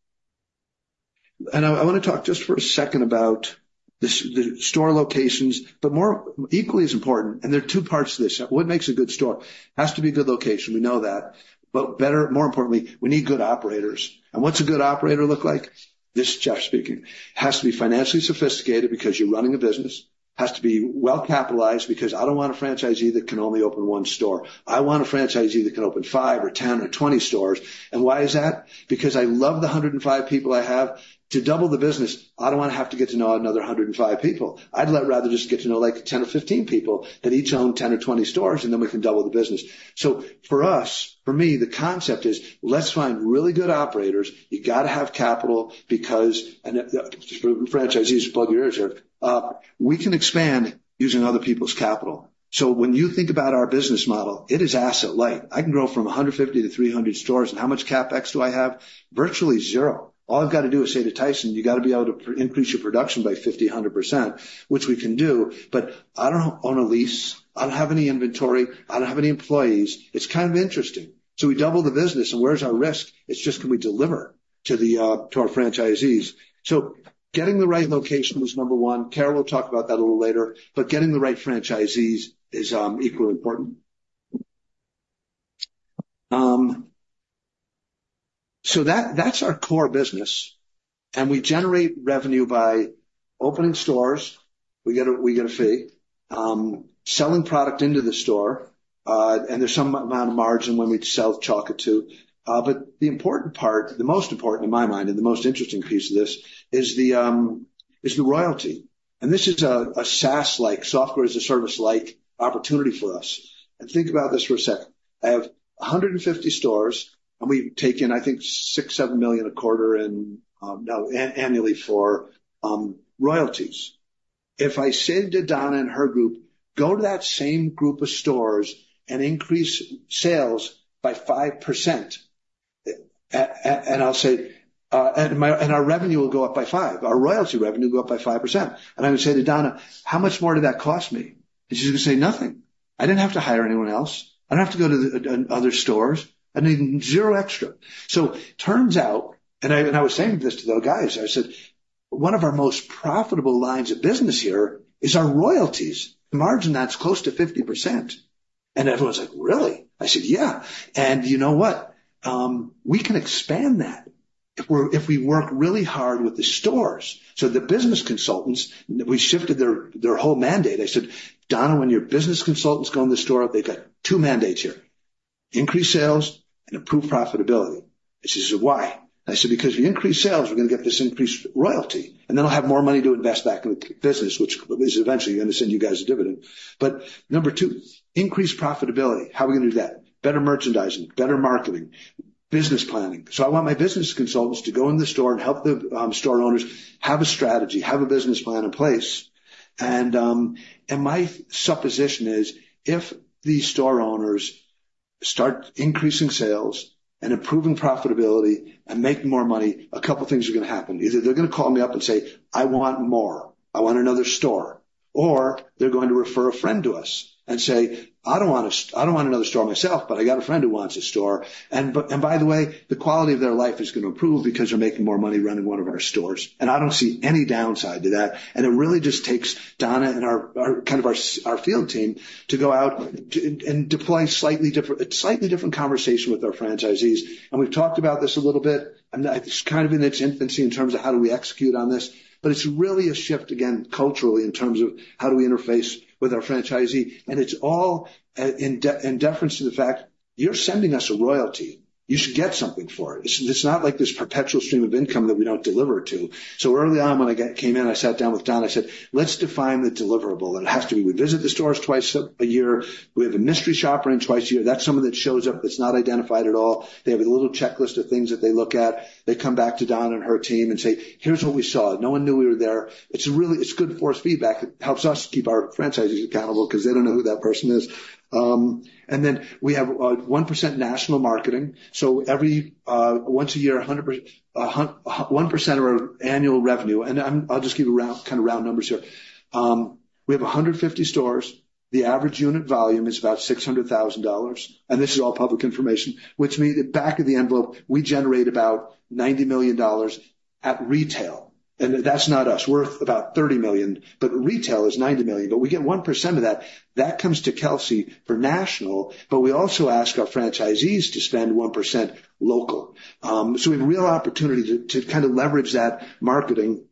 I want to talk just for a second about the store locations, but more equally as important, and there are two parts to this. What makes a good store? Has to be a good location, we know that, but better, more importantly, we need good operators. And what's a good operator look like? This is Jeff speaking. Has to be financially sophisticated because you're running a business, has to be well-capitalized because I don't want a franchisee that can only open one store. I want a franchisee that can open five or 10 or 20 stores. And why is that? Because I love the 105 people I have. To double the business, I don't want to have to get to know another 105 people. I'd rather just get to know, like, 10 or 15 people, and each own 10 or 20 stores, and then we can double the business, so for us, for me, the concept is, let's find really good operators. You got to have capital because, and, franchisees, plug your ears here, we can expand using other people's capital, so when you think about our business model, it is asset light. I can grow from 150 to 300 stores, and how much CapEx do I have? Virtually zero. All I've got to do is say to Tyson, "You got to be able to increase your production by 50, 100%," which we can do, but I don't own a lease, I don't have any inventory, I don't have any employees. It's kind of interesting, so we double the business, and where's our risk? It's just, can we deliver to the, to our franchisees? So getting the right location is number one. Kara will talk about that a little later, but getting the right franchisees is, equally important. So that, that's our core business, and we generate revenue by opening stores. We get a, we get a fee. Selling product into the store, and there's some amount of margin when we sell chocolate, too. But the important part, the most important in my mind, and the most interesting piece of this is the, is the royalty, and this is a, a SaaS-like, software-as-a-service-like opportunity for us. Think about this for a second: I have a hundred and fifty stores, and we take in, I think, $6-7 million annually for royalties. If I said to Donna and her group, "Go to that same group of stores and increase sales by 5%," and our revenue will go up by 5%. Our royalty revenue will go up by 5%. I would say to Donna, "How much more did that cost me?" She is going to say, "Nothing. I didn't have to hire anyone else. I didn't have to go to the other stores. I need zero extra." It turns out I was saying this to the guys. I said, "One of our most profitable lines of business here is our royalties. The margin on that's close to 50%." Everyone is like, "Really?" I said, "Yeah, and you know what? We can expand that."... If we work really hard with the stores, so the business consultants, we shifted their whole mandate. I said, "Donna, when your business consultants go in the store, they've got two mandates here: increase sales and improve profitability." And she said, "Why?" I said, "Because if you increase sales, we're gonna get this increased royalty, and then I'll have more money to invest back in the business, which is eventually going to send you guys a dividend. But number two, increase profitability. How are we gonna do that? Better merchandising, better marketing, business planning." So I want my business consultants to go in the store and help the store owners have a strategy, have a business plan in place. And my supposition is, if these store owners start increasing sales and improving profitability and making more money, a couple things are gonna happen. Either they're gonna call me up and say, "I want more. I want another store," or they're going to refer a friend to us and say, "I don't want another store myself, but I got a friend who wants a store." And by the way, the quality of their life is gonna improve because they're making more money running one of our stores, and I don't see any downside to that, and it really just takes Donna and our field team to go out and deploy a slightly different conversation with our franchisees. We've talked about this a little bit, and it's kind of in its infancy in terms of how do we execute on this, but it's really a shift, again, culturally, in terms of how do we interface with our franchisee, and it's all in deference to the fact you're sending us a royalty. You should get something for it. It's not like this perpetual stream of income that we don't deliver to. Early on, when I came in, I sat down with Donna. I said, "Let's define the deliverable, and it has to be, we visit the stores twice a year. We have a mystery shopper in twice a year." That's someone that shows up, that's not identified at all. They have a little checklist of things that they look at. They come back to Donna and her team and say, "Here's what we saw. No one knew we were there." It's really good feedback for us. It helps us keep our franchisees accountable because they don't know who that person is. And then we have 1% national marketing. So every once a year, 100% of 1% of our annual revenue, and I'll just give you round, kind of round numbers here. We have 150 stores. The average unit volume is about $600,000, and this is all public information, which means that back of the envelope, we generate about $90 million at retail, and that's not us. We're about $30 million, but retail is $90 million. But we get 1% of that. That comes to Kelsey for national, but we also ask our franchisees to spend 1% local. So we have real opportunity to kind of leverage that marketing.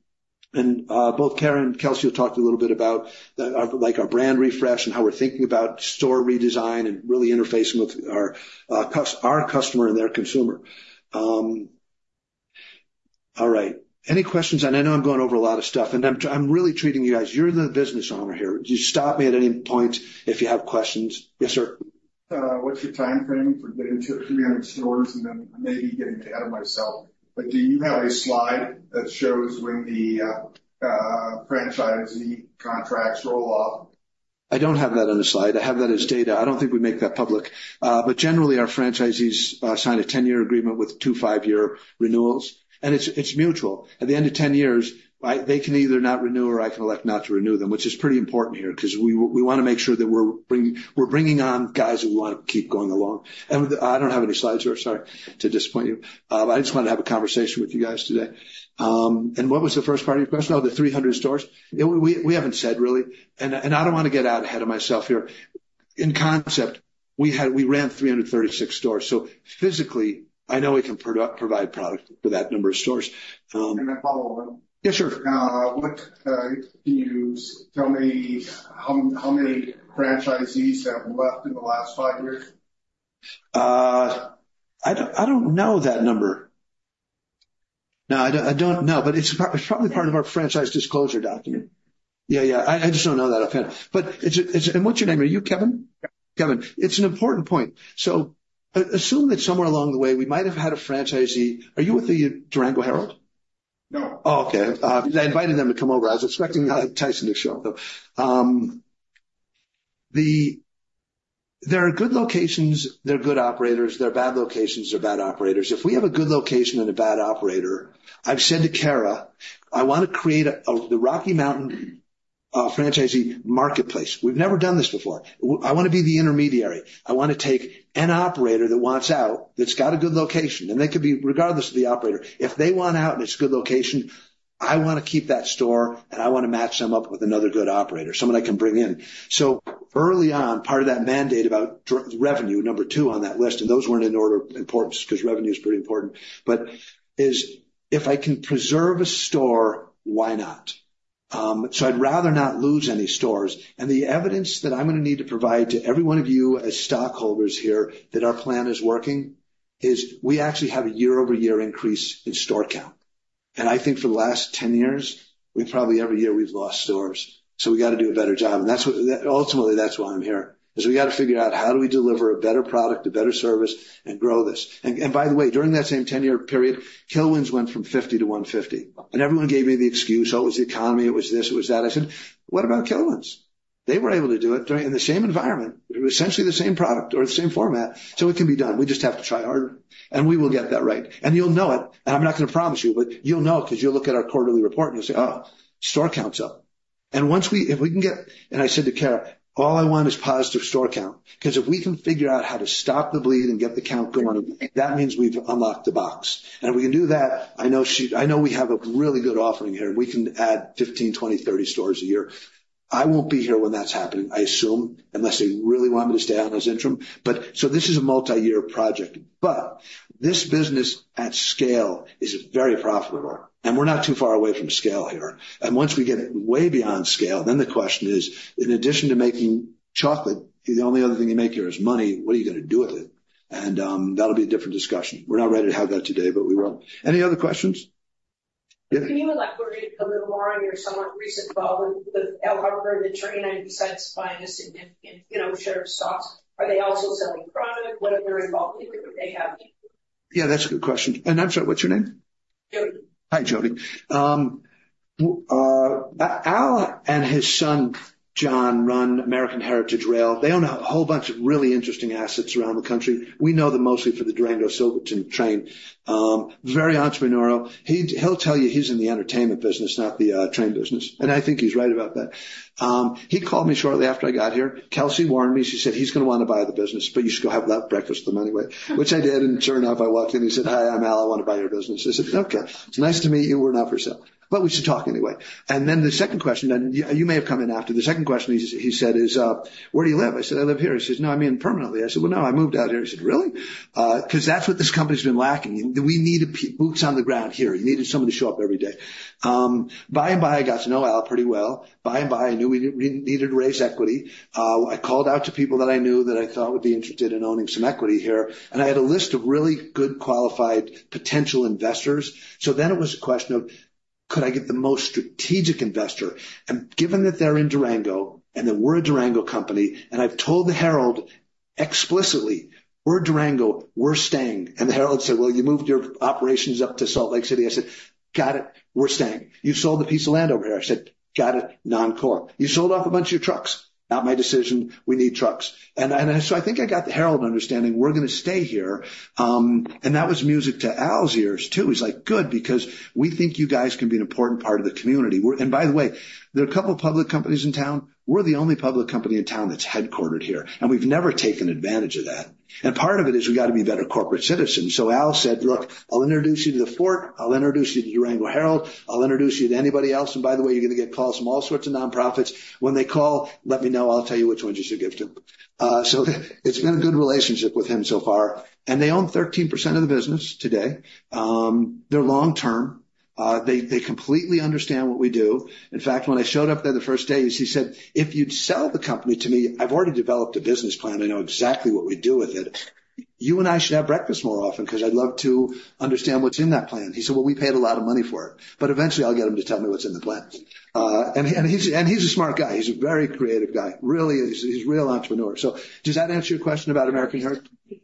And both Kara and Kelsey have talked a little bit about like our brand refresh and how we're thinking about store redesign and really interfacing with our customer and their consumer. All right. Any questions? And I know I'm going over a lot of stuff, and I'm really treating you guys... You're the business owner here. Just stop me at any point if you have questions. Yes, sir. What's your timeframe for getting to three hundred stores and then maybe getting ahead of myself, but do you have a slide that shows when the franchisee contracts roll off? I don't have that on a slide. I have that as data. I don't think we make that public. But generally, our franchisees sign a 10-year agreement with two 5-year renewals, and it's mutual. At the end of 10 years, they can either not renew, or I can elect not to renew them, which is pretty important here because we wanna make sure that we're bringing on guys who want to keep going along. I don't have any slides here. Sorry to disappoint you. I just wanted to have a conversation with you guys today. And what was the first part of your question? Oh, the 300 stores. We haven't said really, and I don't want to get out ahead of myself here. In concept, we ran three hundred and thirty-six stores, so physically, I know we can provide product for that number of stores. And then follow up. Yes, sure. What can you tell me how many franchisees have left in the last five years? I don't know that number. No, I don't know, but it's probably part of our franchise disclosure document. Yeah, I just don't know that offhand. But it's... And what's your name? Are you Kevin? Yeah. Kevin, it's an important point. Assume that somewhere along the way, we might have had a franchisee. Are you with the Durango Herald? No. Oh, okay. Because I invited them to come over. I was expecting Tyson to show up, though. There are good locations, there are good operators, there are bad locations, there are bad operators. If we have a good location and a bad operator, I've said to Kara, "I want to create a, the Rocky Mountain franchisee marketplace." We've never done this before. I want to be the intermediary. I want to take an operator that wants out, that's got a good location, and they could be regardless of the operator. If they want out, and it's a good location, I want to keep that store, and I want to match them up with another good operator, someone I can bring in. So early on, part of that mandate about drive revenue, number two on that list, and those weren't in order of importance because revenue is pretty important, but is if I can preserve a store, why not? So I'd rather not lose any stores. And the evidence that I'm gonna need to provide to every one of you as stockholders here, that our plan is working, is we actually have a year-over-year increase in store count. And I think for the last 10 years, we've probably every year, we've lost stores, so we've got to do a better job, and that's what ultimately, that's why I'm here, is we got to figure out how do we deliver a better product, a better service, and grow this. And by the way, during that same ten-year period, Kilwins went from 50 to 150, and everyone gave me the excuse, "Oh, it was the economy, it was this, it was that." I said, "What about Kilwins? They were able to do it during, in the same environment, essentially the same product or the same format." So it can be done. We just have to try harder, and we will get that right. And you'll know it, and I'm not going to promise you, but you'll know because you'll look at our quarterly report, and you'll say, "Oh, store count's up." And once we, if we can get... And I said to Kara, "All I want is positive store count, because if we can figure out how to stop the bleed and get the count going, that means we've unlocked the box." And if we can do that, I know she-- I know we have a really good offering here, and we can add 15, 20, 30 stores a year... I won't be here when that's happening, I assume, unless they really want me to stay on as interim. But so this is a multi-year project, but this business at scale is very profitable, and we're not too far away from scale here. And once we get way beyond scale, then the question is, in addition to making chocolate, the only other thing you make here is money. What are you gonna do with it? And, that'll be a different discussion. We're not ready to have that today, but we will. Any other questions? Can you elaborate a little more on your somewhat recent involvement with Al Harper and the train besides buying a significant, you know, share of stocks? Are they also selling product? What other involvement do they have? Yeah, that's a good question, and I'm sorry, what's your name? Jody. Hi, Jody. Al and his son, John, run American Heritage Railways. They own a whole bunch of really interesting assets around the country. We know them mostly for the Durango and Silverton train. Very entrepreneurial. He'll tell you he's in the entertainment business, not the train business, and I think he's right about that. He called me shortly after I got here. Kelsey warned me. She said, "He's gonna wanna buy the business, but you should go have that breakfast with him anyway," which I did. And sure enough, I walked in, and he said, "Hi, I'm Al. I want to buy your business." I said, "Okay. It's nice to meet you. We're not for sale, but we should talk anyway." And then the second question, and you may have come in after, the second question he said is, "Where do you live?" I said, "I live here." He says, "No, I mean, permanently." I said, "Well, no, I moved out here." He said, "Really? Because that's what this company's been lacking. We need boots on the ground here." He needed somebody to show up every day. By and by, I got to know Al pretty well. By and by, I knew we needed to raise equity. I called out to people that I knew that I thought would be interested in owning some equity here, and I had a list of really good, qualified potential investors. So then it was a question of, could I get the most strategic investor? And given that they're in Durango and that we're a Durango company, and I've told the Herald explicitly, "We're Durango, we're staying." And the Herald said, "Well, you moved your operations up to Salt Lake City." I said, "Got it. We're staying." "You sold a piece of land over here." I said, "Got it. Non-core." "You sold off a bunch of your trucks." "Not my decision. We need trucks." And so I think I got the Herald understanding we're going to stay here. And that was music to Al's ears, too. He's like, "Good, because we think you guys can be an important part of the community." We're, and by the way, there are a couple of public companies in town. We're the only public company in town that's headquartered here, and we've never taken advantage of that. And part of it is we've got to be better corporate citizens. So Al said, "Look, I'll introduce you to The Fort, I'll introduce you to Durango Herald, I'll introduce you to anybody else, and by the way, you're going to get calls from all sorts of nonprofits. When they call, let me know. I'll tell you which ones you should give to." So it's been a good relationship with him so far, and they own 13% of the business today. They're long term. They completely understand what we do. In fact, when I showed up there the first day, he said, "If you'd sell the company to me, I've already developed a business plan. I know exactly what we'd do with it." "You and I should have breakfast more often because I'd love to understand what's in that plan." He said, "Well, we paid a lot of money for it," but eventually I'll get him to tell me what's in the plan. And he's a smart guy. He's a very creative guy, really is. He's a real entrepreneur. So does that answer your question about American Heritage? Right.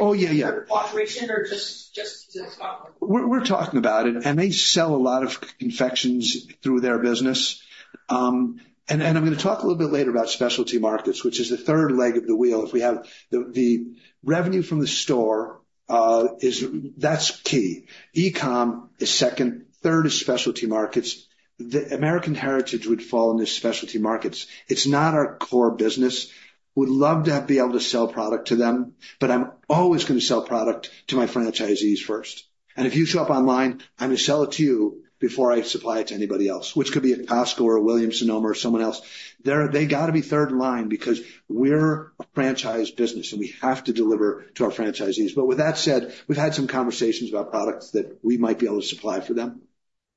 Oh, yeah, yeah. Operation or just to talk about? We're talking about it, and they sell a lot of confections through their business. And I'm going to talk a little bit later about specialty markets, which is the third leg of the wheel. If we have the revenue from the store... That's key. E-com is second, third is specialty markets. The American Heritage would fall in the specialty markets. It's not our core business. We'd love to be able to sell product to them, but I'm always going to sell product to my franchisees first. And if you show up online, I'm going to sell it to you before I supply it to anybody else, which could be a Costco or a Williams-Sonoma or someone else. They got to be third in line because we're a franchise business, and we have to deliver to our franchisees. But with that said, we've had some conversations about products that we might be able to supply for them.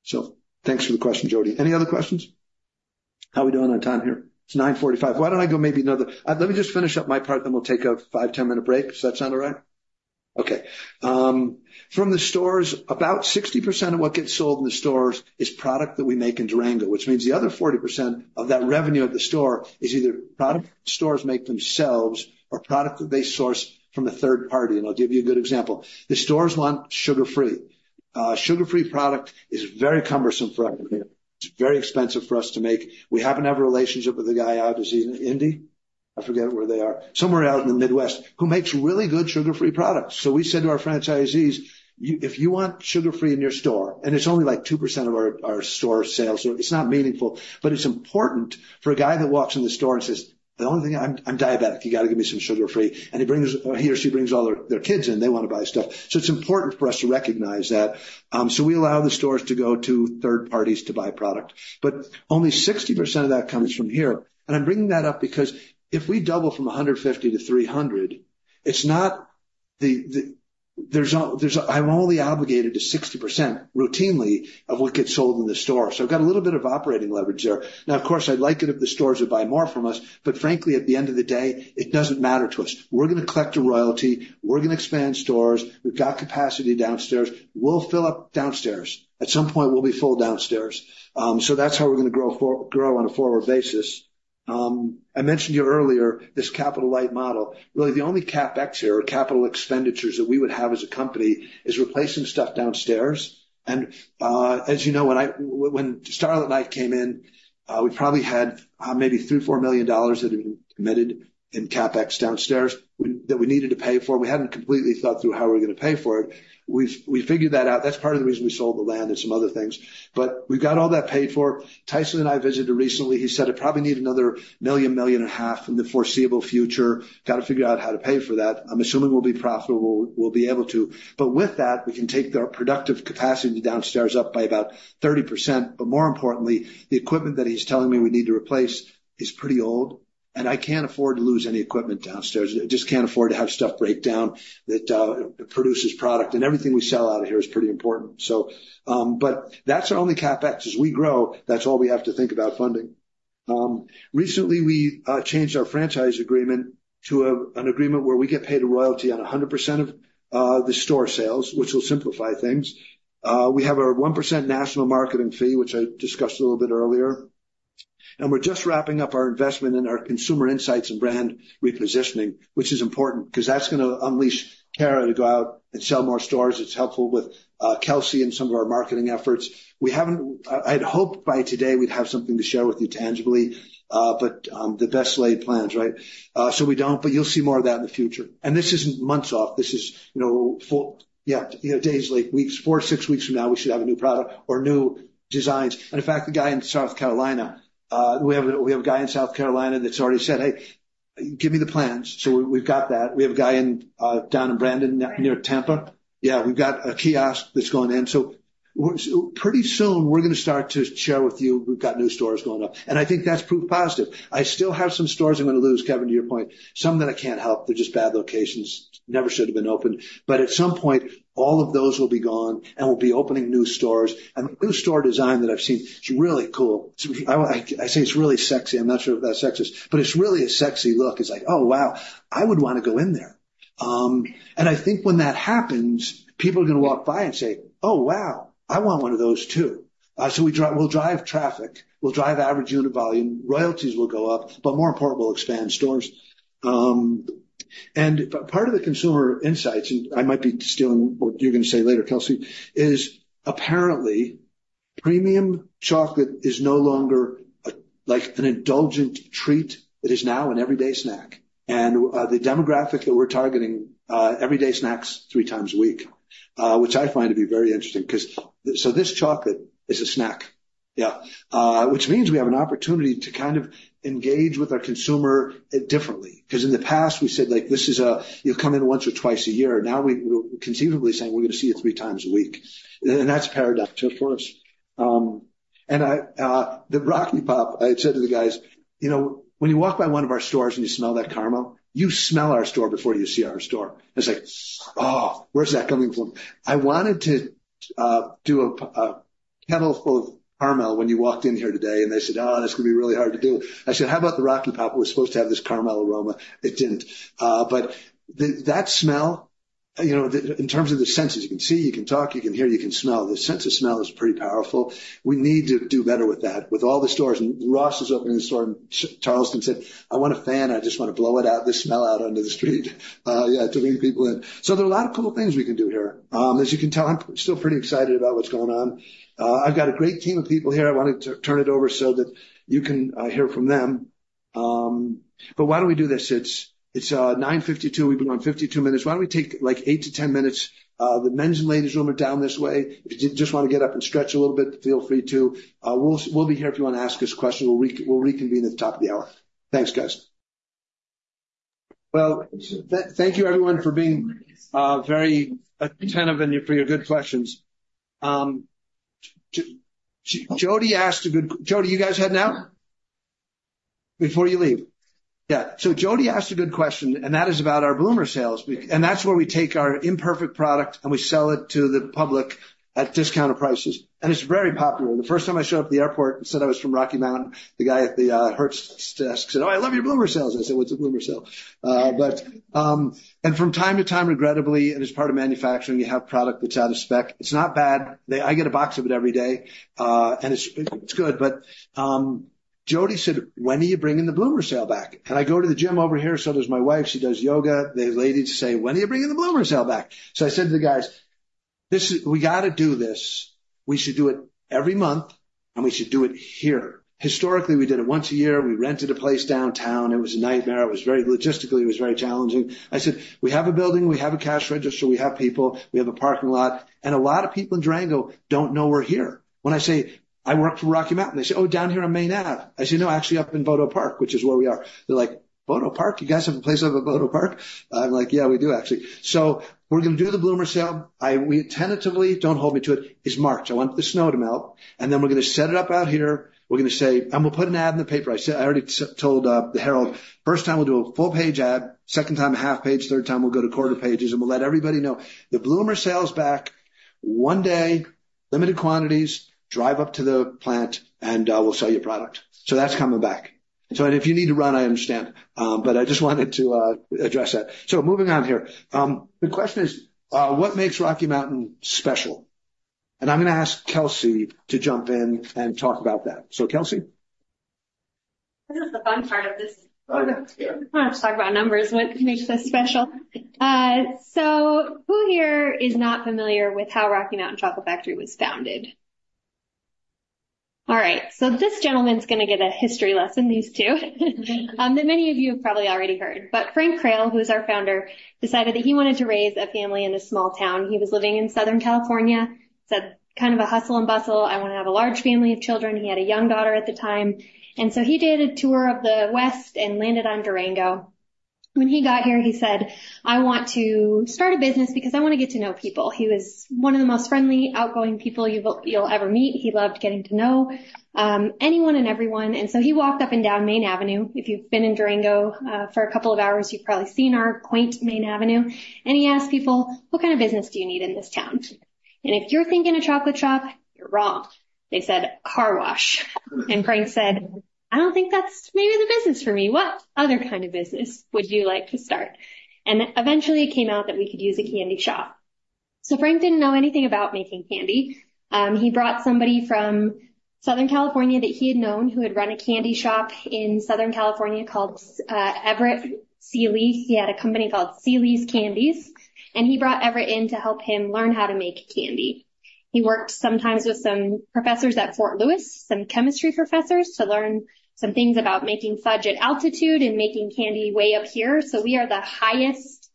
So thanks for the question, Jody. Any other questions? How are we doing on time here? It's 9:45 A.M. Why don't I go maybe another... let me just finish up my part, then we'll take a five- to ten-minute break. Does that sound all right? Okay. From the stores, about 60% of what gets sold in the stores is product that we make in Durango, which means the other 40% of that revenue at the store is either product the stores make themselves or product that they source from a third party. And I'll give you a good example. The stores want sugar-free. Sugar-free product is very cumbersome for us here. It's very expensive for us to make. We happen to have a relationship with a guy out in Indy. I forget where they are. Somewhere out in the Midwest who makes really good sugar-free products, so we said to our franchisees, "If you want sugar-free in your store," and it's only like 2% of our store sales, so it's not meaningful, but it's important for a guy that walks in the store and says, "The only thing... I'm diabetic, you got to give me some sugar-free." And he or she brings all their kids, and they want to buy stuff. So it's important for us to recognize that, so we allow the stores to go to third parties to buy product, but only 60% of that comes from here. I'm bringing that up because if we double from 150 to 300, it's not the. There's. I'm only obligated to 60% routinely of what gets sold in the store. So I've got a little bit of operating leverage there. Now, of course, I'd like it if the stores would buy more from us, but frankly, at the end of the day, it doesn't matter to us. We're going to collect a royalty. We're going to expand stores. We've got capacity downstairs. We'll fill up downstairs. At some point, we'll be full downstairs. So that's how we're going to grow on a forward basis. I mentioned to you earlier, this capital light model. Really, the only CapEx here, or capital expenditures, that we would have as a company is replacing stuff downstairs. As you know, when Starla and I came in, we probably had maybe $3-4 million that had been committed in CapEx downstairs that we needed to pay for. We hadn't completely thought through how we were going to pay for it. We figured that out. That's part of the reason we sold the land and some other things, but we've got all that paid for. Tyson and I visited recently. He said, "I probably need another $1-1.5 million in the foreseeable future." Got to figure out how to pay for that. I'm assuming we'll be profitable, we'll be able to. But with that, we can take our productive capacity downstairs up by about 30%. But more importantly, the equipment that he's telling me we need to replace is pretty old. And I can't afford to lose any equipment downstairs. I just can't afford to have stuff break down that produces product, and everything we sell out of here is pretty important. So, but that's our only CapEx. As we grow, that's all we have to think about funding. Recently, we changed our franchise agreement to an agreement where we get paid a royalty on 100% of the store sales, which will simplify things. We have our 1% national marketing fee, which I discussed a little bit earlier, and we're just wrapping up our investment in our consumer insights and brand repositioning, which is important because that's gonna unleash Kara to go out and sell more stores. It's helpful with Kelsey and some of our marketing efforts. We haven't. I, I'd hoped by today we'd have something to share with you tangibly, but, the best laid plans, right? So we don't, but you'll see more of that in the future. And this isn't months off. This is, you know, full. Yeah, you know, days, like, weeks, four to six weeks from now, we should have a new product or new designs. And in fact, the guy in South Carolina, we have a guy in South Carolina that's already said, "Hey, give me the plans." So we've got that. We have a guy in down in Brandon, near Tampa. Yeah, we've got a kiosk that's going in. So we're pretty soon, we're gonna start to share with you we've got new stores going up, and I think that's proof positive. I still have some stores I'm gonna lose, Kevin, to your point, some that I can't help. They're just bad locations that never should have been opened, but at some point all of those will be gone, and we'll be opening new stores, and the new store design that I've seen is really cool. I say it's really sexy. I'm not sure if that's sexist, but it's really a sexy look. It's like, oh, wow, I would want to go in there, and I think when that happens, people are gonna walk by and say, "Oh, wow, I want one of those, too," so we'll drive traffic. We'll drive average unit volume, royalties will go up, but more important, we'll expand stores. and part of the consumer insights, and I might be stealing what you're gonna say later, Kelsey, is apparently premium chocolate is no longer, like, an indulgent treat. It is now an everyday snack, and, the demographic that we're targeting, everyday snacks three times a week, which I find to be very interesting because... So this chocolate is a snack. Yeah. Which means we have an opportunity to kind of engage with our consumer differently, because in the past, we said, like, this is a, you'll come in once or twice a year. Now we're conceivably saying we're going to see you three times a week. And that's paradoxical for us. and I, the Rocky Pop, I said to the guys, "You know, when you walk by one of our stores and you smell that caramel, you smell our store before you see our store." It's like, "Oh, where's that coming from?" I wanted to do a kettle full of caramel when you walked in here today, and they said, "Oh, that's going to be really hard to do." I said, "How about the Rocky Pop? It was supposed to have this caramel aroma. It didn't." But that smell, you know, in terms of the senses, you can see, you can talk, you can hear, you can smell. The sense of smell is pretty powerful. We need to do better with that, with all the stores. And Ross is opening a store in Charleston, said, "I want a fan. I just want to blow it out, the smell out onto the street," to bring people in. So there are a lot of cool things we can do here. As you can tell, I'm still pretty excited about what's going on. I've got a great team of people here. I wanted to turn it over so that you can hear from them. But why don't we do this? It's 9:52 A.M. We've been on 52 minutes. Why don't we take, like, eight to 10 minutes? The men's and ladies' room are down this way. If you just want to get up and stretch a little bit, feel free to. We'll be here if you want to ask us questions. We'll reconvene at the top of the hour. Thanks, guys. Thank you, everyone, for being very attentive and for your good questions. Jody asked a good question. Jody, are you guys heading out? Before you leave. Yeah, Jody asked a good question, and that is about our bloomer sales, and that's where we take our imperfect product, and we sell it to the public at discounted prices, and it's very popular. The first time I showed up at the airport and said I was from Rocky Mountain, the guy at the Hertz desk said, "Oh, I love your bloomer sales." I said, "What's a bloomer sale?" From time to time, regrettably, and as part of manufacturing, you have product that's out of spec. It's not bad. I get a box of it every day, and it's good. But Jody said, "When are you bringing the bloomer sale back?" And I go to the gym over here, so does my wife. She does yoga. The ladies say, "When are you bringing the bloomer sale back?" So I said to the guys, "This is. We got to do this. We should do it every month, and we should do it here." Historically, we did it once a year. We rented a place downtown. It was a nightmare. It was very logistically, it was very challenging. I said, "We have a building, we have a cash register, we have people, we have a parking lot, and a lot of people in Durango don't know we're here." When I say, "I work for Rocky Mountain," they say, "Oh, down here on Main Ave?" I say, "No, actually, up in Bodo Park," which is where we are. They're like, "Bodo Park? You guys have a place up in Bodo Industrial Park?" I'm like, "Yeah, we do, actually." So we're going to do the Bloomer sale. We tentatively, don't hold me to it, is March. I want the snow to melt, and then we're going to set it up out here. We're going to and we'll put an ad in the paper. I already told the Herald, first time we'll do a full-page ad, second time a half page, third time we'll go to quarter pages, and we'll let everybody know the Bloomer sale is back. One day, limited quantities, drive up to the plant, and we'll sell you product. So that's coming back. So if you need to run, I understand, but I just wanted to address that. So moving on here. The question is, what makes Rocky Mountain special? I'm going to ask Kelsey to jump in and talk about that. Kelsey? This is the fun part of this. Oh, yeah. It's good. I want to talk about numbers. What makes us special? So who here is not familiar with how Rocky Mountain Chocolate Factory was founded? All right, so this gentleman's gonna give a history lesson, these two, that many of you have probably already heard. But Frank Crail, who's our founder, decided that he wanted to raise a family in a small town. He was living in Southern California. Said, "Kind of a hustle and bustle. I want to have a large family of children." He had a young daughter at the time, and so he did a tour of the West and landed on Durango. When he got here, he said, "I want to start a business because I want to get to know people." He was one of the most friendly, outgoing people you'll ever meet. He loved getting to know anyone and everyone, and so he walked up and down Main Avenue. If you've been in Durango for a couple of hours, you've probably seen our quaint Main Avenue, and he asked people, "What kind of business do you need in this town? And if you're thinking a chocolate shop, you're wrong." They said, "Car wash." And Frank said, "I don't think that's maybe the business for me. What other kind of business would you like to start?" And eventually, it came out that we could use a candy shop. So Frank didn't know anything about making candy. He brought somebody from Southern California that he had known, who had run a candy shop in Southern California called Everett Seely. He had a company called Seeley's Candies, and he brought Everett in to help him learn how to make candy. He worked sometimes with some professors at Fort Lewis, some chemistry professors, to learn some things about making fudge at altitude and making candy way up here. So we are the highest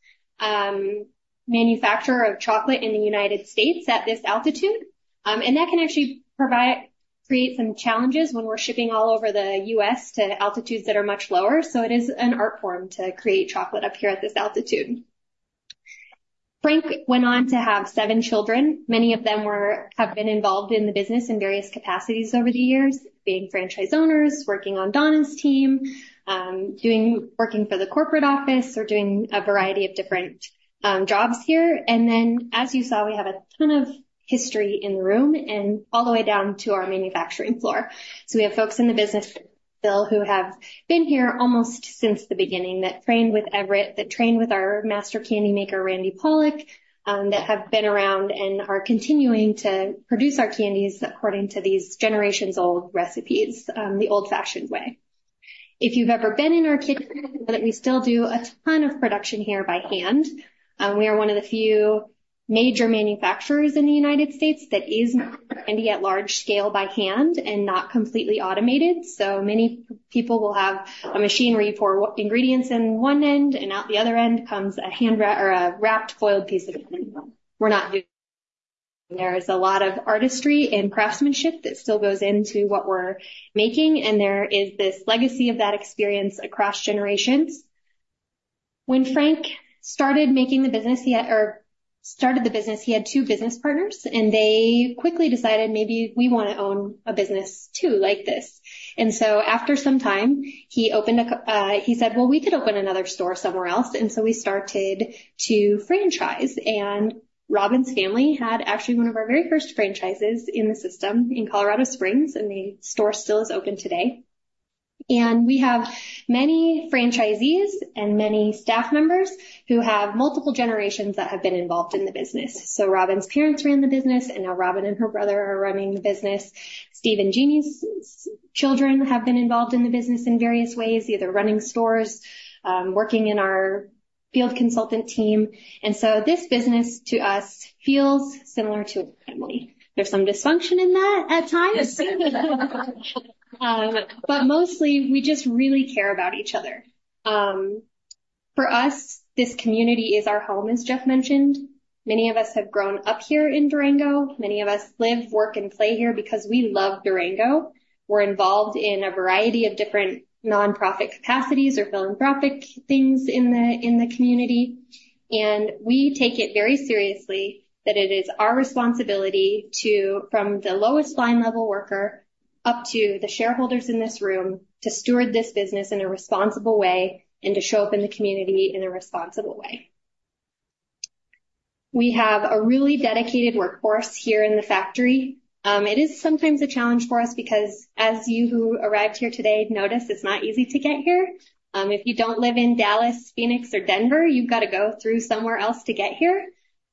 manufacturer of chocolate in the United States at this altitude. And that can actually create some challenges when we're shipping all over the U.S. to altitudes that are much lower. So it is an art form to create chocolate up here at this altitude. Frank went on to have seven children. Many of them have been involved in the business in various capacities over the years, being franchise owners, working on Donna's team, working for the corporate office, or doing a variety of different jobs here. And then, as you saw, we have a ton of history in the room and all the way down to our manufacturing floor. So we have folks in the business, Bill, who have been here almost since the beginning, that trained with Everett, that trained with our master candy maker, Randy Pollock, that have been around and are continuing to produce our candies according to these generations-old recipes, the old-fashioned way. If you've ever been in our kitchen, we still do a ton of production here by hand. We are one of the few major manufacturers in the United States that is making candy at large scale by hand and not completely automated. So many people will have a machine where you pour ingredients in one end, and out the other end comes a hand wrap or a wrapped foiled piece of candy. We're not doing that. There is a lot of artistry and craftsmanship that still goes into what we're making, and there is this legacy of that experience across generations. When Frank started making the business, he had or started the business, he had two business partners, and they quickly decided, "Maybe we want to own a business, too, like this." And so after some time, he said, "Well, we could open another store somewhere else." And so we started to franchise, and Robin's family had actually one of our very first franchises in the system in Colorado Springs, and the store still is open today. And we have many franchisees and many staff members who have multiple generations that have been involved in the business. So Robin's parents ran the business, and now Robin and her brother are running the business. Steve and Jeannie's children have been involved in the business in various ways, either running stores, working in our field consultant team. And so this business, to us, feels similar to a family. There's some dysfunction in that at times. But mostly, we just really care about each other. For us, this community is our home, as Jeff mentioned. Many of us have grown up here in Durango. Many of us live, work, and play here because we love Durango. We're involved in a variety of different nonprofit capacities or philanthropic things in the community, and we take it very seriously that it is our responsibility to, from the lowest line-level worker up to the shareholders in this room, to steward this business in a responsible way and to show up in the community in a responsible way. We have a really dedicated workforce here in the factory. It is sometimes a challenge for us because as you who arrived here today noticed, it's not easy to get here. If you don't live in Dallas, Phoenix, or Denver, you've got to go through somewhere else to get here.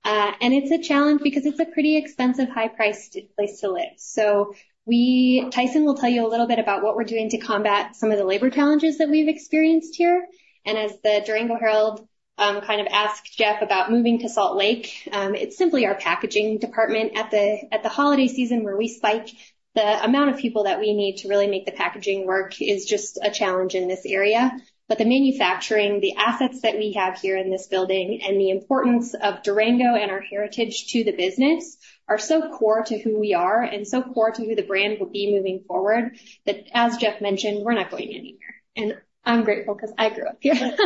And it's a challenge because it's a pretty expensive, high-priced place to live. So Tyson will tell you a little bit about what we're doing to combat some of the labor challenges that we've experienced here. And as the Durango Herald kind of asked Jeff about moving to Salt Lake, it's simply our packaging department. At the holiday season, where we spike, the amount of people that we need to really make the packaging work is just a challenge in this area. But the manufacturing, the assets that we have here in this building, and the importance of Durango and our heritage to the business are so core to who we are and so core to who the brand will be moving forward, that, as Jeff mentioned, we're not going anywhere, and I'm grateful 'cause I grew up here.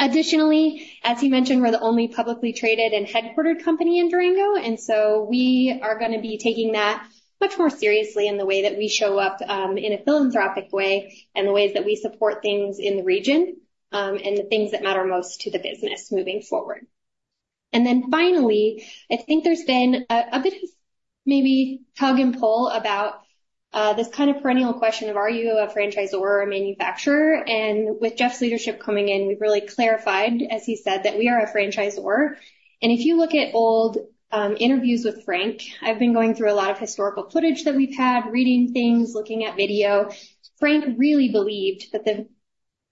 Additionally, as he mentioned, we're the only publicly traded and headquartered company in Durango, and so we are gonna be taking that much more seriously in the way that we show up, in a philanthropic way and the ways that we support things in the region, and the things that matter most to the business moving forward. And then finally, I think there's been a bit of maybe tug and pull about this kind of perennial question of: Are you a franchisor or a manufacturer? And with Jeff's leadership coming in, we've really clarified, as he said, that we are a franchisor. And if you look at old interviews with Frank, I've been going through a lot of historical footage that we've had, reading things, looking at video. Frank really believed that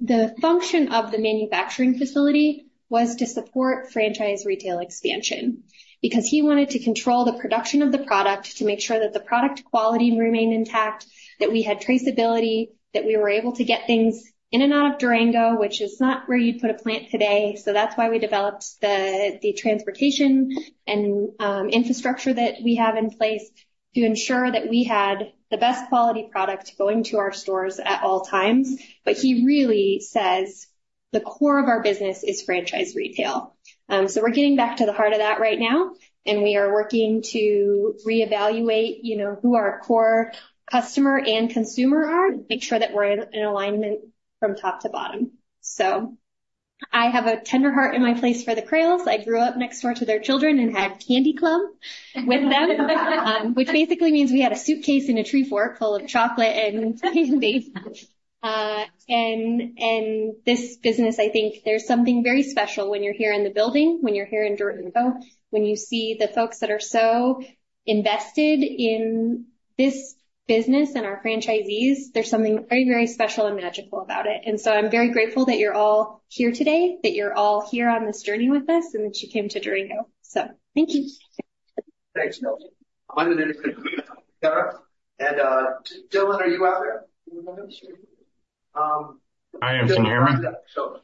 the function of the manufacturing facility was to support franchise retail expansion because he wanted to control the production of the product to make sure that the product quality remained intact, that we had traceability, that we were able to get things in and out of Durango, which is not where you'd put a plant today. So that's why we developed the transportation and infrastructure that we have in place to ensure that we had the best quality product going to our stores at all times. But he really says- ...The core of our business is franchise retail. So we're getting back to the heart of that right now, and we are working to reevaluate, you know, who our core customer and consumer are, and make sure that we're in alignment from top to bottom. So I have a tender heart in my place for the Crails. I grew up next door to their children and had candy club with them, which basically means we had a suitcase and a tree fork full of chocolate and candy. And this business, I think there's something very special when you're here in the building, when you're here in Durango, when you see the folks that are so invested in this business and our franchisees, there's something very, very special and magical about it. I'm very grateful that you're all here today, that you're all here on this journey with us, and that you came to Durango. So thank you. Thanks, Jody. I'm going to Kara. And, Dylan, are you out there? I am. Can you hear me? So,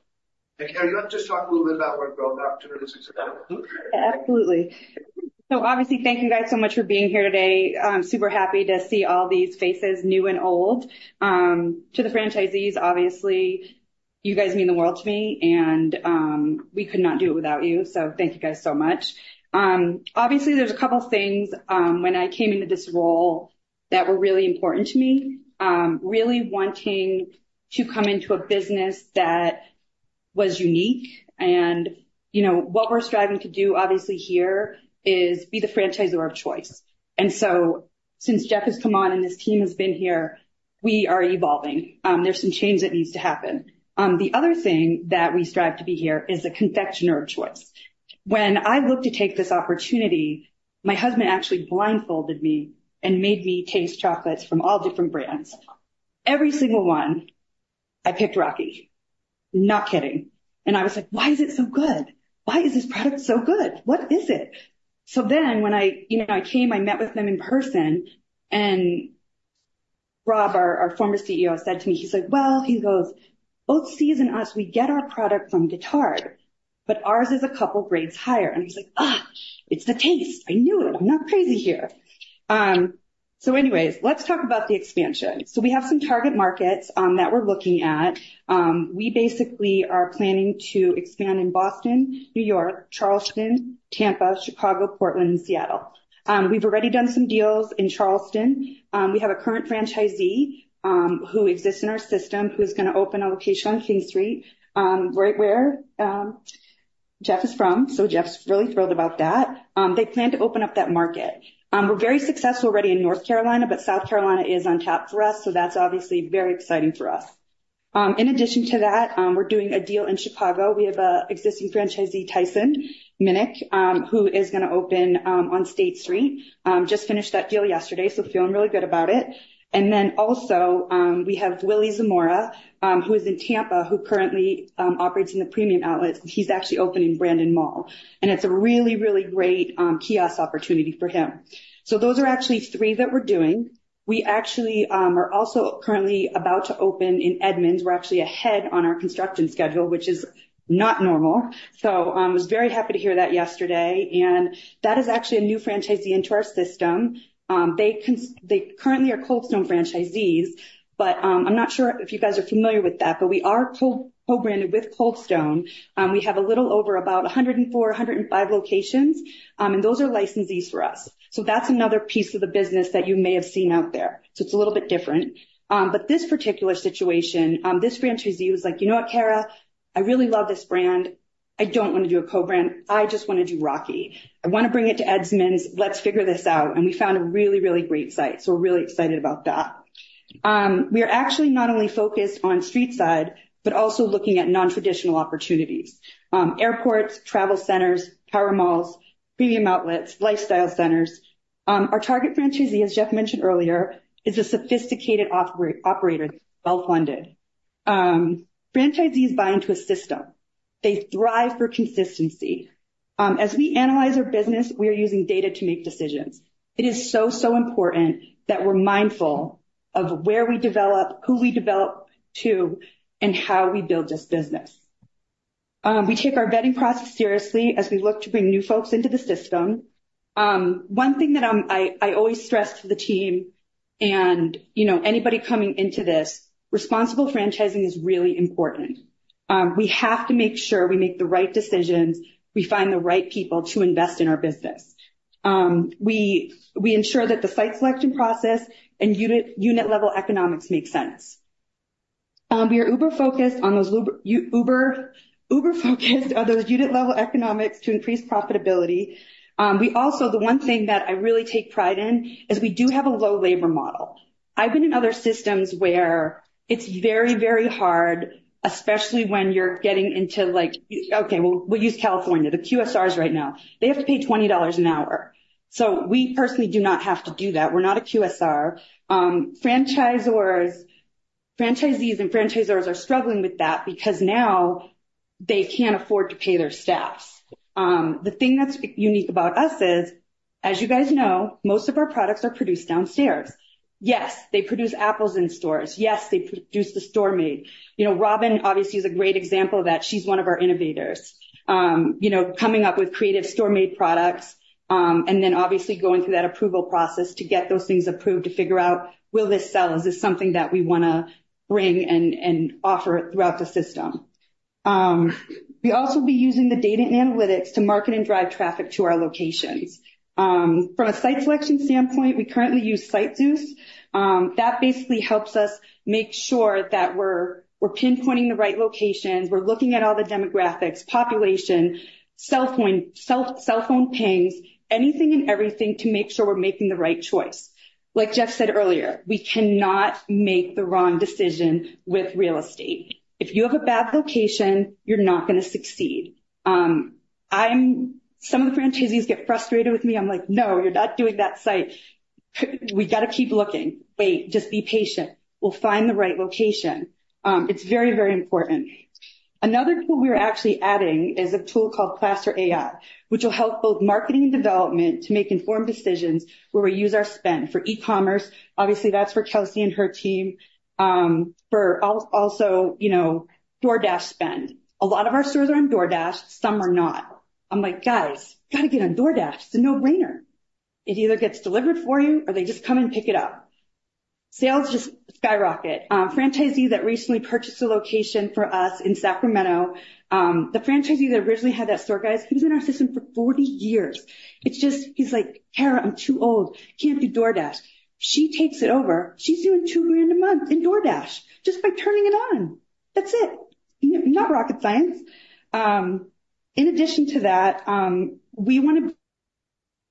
Kara, you want to just talk a little bit about where it goes after this? Absolutely. So obviously, thank you guys so much for being here today. I'm super happy to see all these faces, new and old. To the franchisees, obviously, you guys mean the world to me, and we could not do it without you, so thank you guys so much. Obviously, there's a couple of things when I came into this role that were really important to me, really wanting to come into a business that was unique, and you know, what we're striving to do, obviously here, is be the franchisor of choice. So since Jeff has come on and this team has been here, we are evolving. There's some change that needs to happen. The other thing that we strive to be here is a confectioner of choice. When I looked to take this opportunity, my husband actually blindfolded me and made me taste chocolates from all different brands. Every single one, I picked Rocky. Not kidding. And I was like: "Why is it so good? Why is this product so good? What is it?" So then when I, you know, I came, I met with them in person, and Rob, our former CEO, said to me, he's like, "Well," he goes, "both See's and us, we get our product from Guittard, but ours is a couple of grades higher." And he's like, "Ugh, it's the taste. I knew it. I'm not crazy here." So anyways, let's talk about the expansion. We have some target markets that we're looking at. We basically are planning to expand in Boston, New York, Charleston, Tampa, Chicago, Portland, and Seattle. We've already done some deals in Charleston. We have a current franchisee who exists in our system, who's going to open a location on King Street, right where Jeff is from. So Jeff's really thrilled about that. They plan to open up that market. We're very successful already in North Carolina, but South Carolina is on top for us, so that's obviously very exciting for us. In addition to that, we're doing a deal in Chicago. We have an existing franchisee, Tyson Minnick, who is going to open on State Street. Just finished that deal yesterday, so feeling really good about it. And then also, we have Willie Zamora, who is in Tampa, who currently operates in the premium outlets. He's actually opening Brandon Mall, and it's a really, really great kiosk opportunity for him. So those are actually three that we're doing. We actually are also currently about to open in Edmonds. We're actually ahead on our construction schedule, which is not normal. So I was very happy to hear that yesterday, and that is actually a new franchisee into our system. They currently are Cold Stone franchisees, but I'm not sure if you guys are familiar with that, but we are co-branded with Cold Stone. We have a little over about 104, 105 locations, and those are licensees for us. So that's another piece of the business that you may have seen out there. So it's a little bit different. But this particular situation, this franchisee was like: You know what, Kara? I really love this brand. I don't want to do a co-brand. I just want to do Rocky. I want to bring it to Edmonds. Let's figure this out. And we found a really, really great site, so we're really excited about that. We are actually not only focused on street side, but also looking at non-traditional opportunities, airports, travel centers, power malls, premium outlets, lifestyle centers. Our target franchisee, as Jeff mentioned earlier, is a sophisticated operator, well-funded. Franchisees buy into a system. They thrive for consistency. As we analyze our business, we are using data to make decisions. It is so, so important that we're mindful of where we develop, who we develop to, and how we build this business. We take our vetting process seriously as we look to bring new folks into the system. One thing that I always stress to the team and, you know, anybody coming into this, responsible franchising is really important. We have to make sure we make the right decisions, we find the right people to invest in our business. We ensure that the site selection process and unit level economics make sense. We are uber focused on those unit level economics to increase profitability. We also. The one thing that I really take pride in is we do have a low labor model. I've been in other systems where it's very, very hard, especially when you're getting into like... Okay, we'll use California, the QSRs right now. They have to pay $20 an hour. So we personally do not have to do that. We're not a QSR. Franchisors, franchisees and franchisors are struggling with that because now they can't afford to pay their staffs. The thing that's unique about us is, as you guys know, most of our products are produced downstairs. Yes, they produce apples in stores. Yes, they produce the store-made. You know, Robin obviously is a great example of that. She's one of our innovators, you know, coming up with creative store-made products, and then obviously going through that approval process to get those things approved, to figure out, will this sell? Is this something that we want to bring and offer throughout the system? We'll also be using the data and analytics to market and drive traffic to our locations. From a site selection standpoint, we currently use SiteZeus. That basically helps us make sure that we're pinpointing the right locations. We're looking at all the demographics, population, cell phone pings, anything and everything to make sure we're making the right choice. Like Jeff said earlier, we cannot make the wrong decision with real estate. If you have a bad location, you're not gonna succeed. Some of the franchisees get frustrated with me. I'm like: "No, you're not doing that site. We've got to keep looking. Wait, just be patient. We'll find the right location." It's very, very important. Another tool we are actually adding is a tool called Placer.ai, which will help both marketing and development to make informed decisions where we use our spend. For e-commerce, obviously, that's for Kelsey and her team, for also, you know, DoorDash spend. A lot of our stores are on DoorDash, some are not. I'm like: "Guys, you got to get on DoorDash. It's a no-brainer. It either gets delivered for you or they just come and pick it up." Sales just skyrocket. A franchisee that recently purchased a location for us in Sacramento, the franchisee that originally had that store, guys, he was in our system for 40 years. It's just... He's like, "Kara, I'm too old, can't do DoorDash." She takes it over, she's doing $2,000 a month in DoorDash just by turning it on. That's it. You know, not rocket science. In addition to that, we want to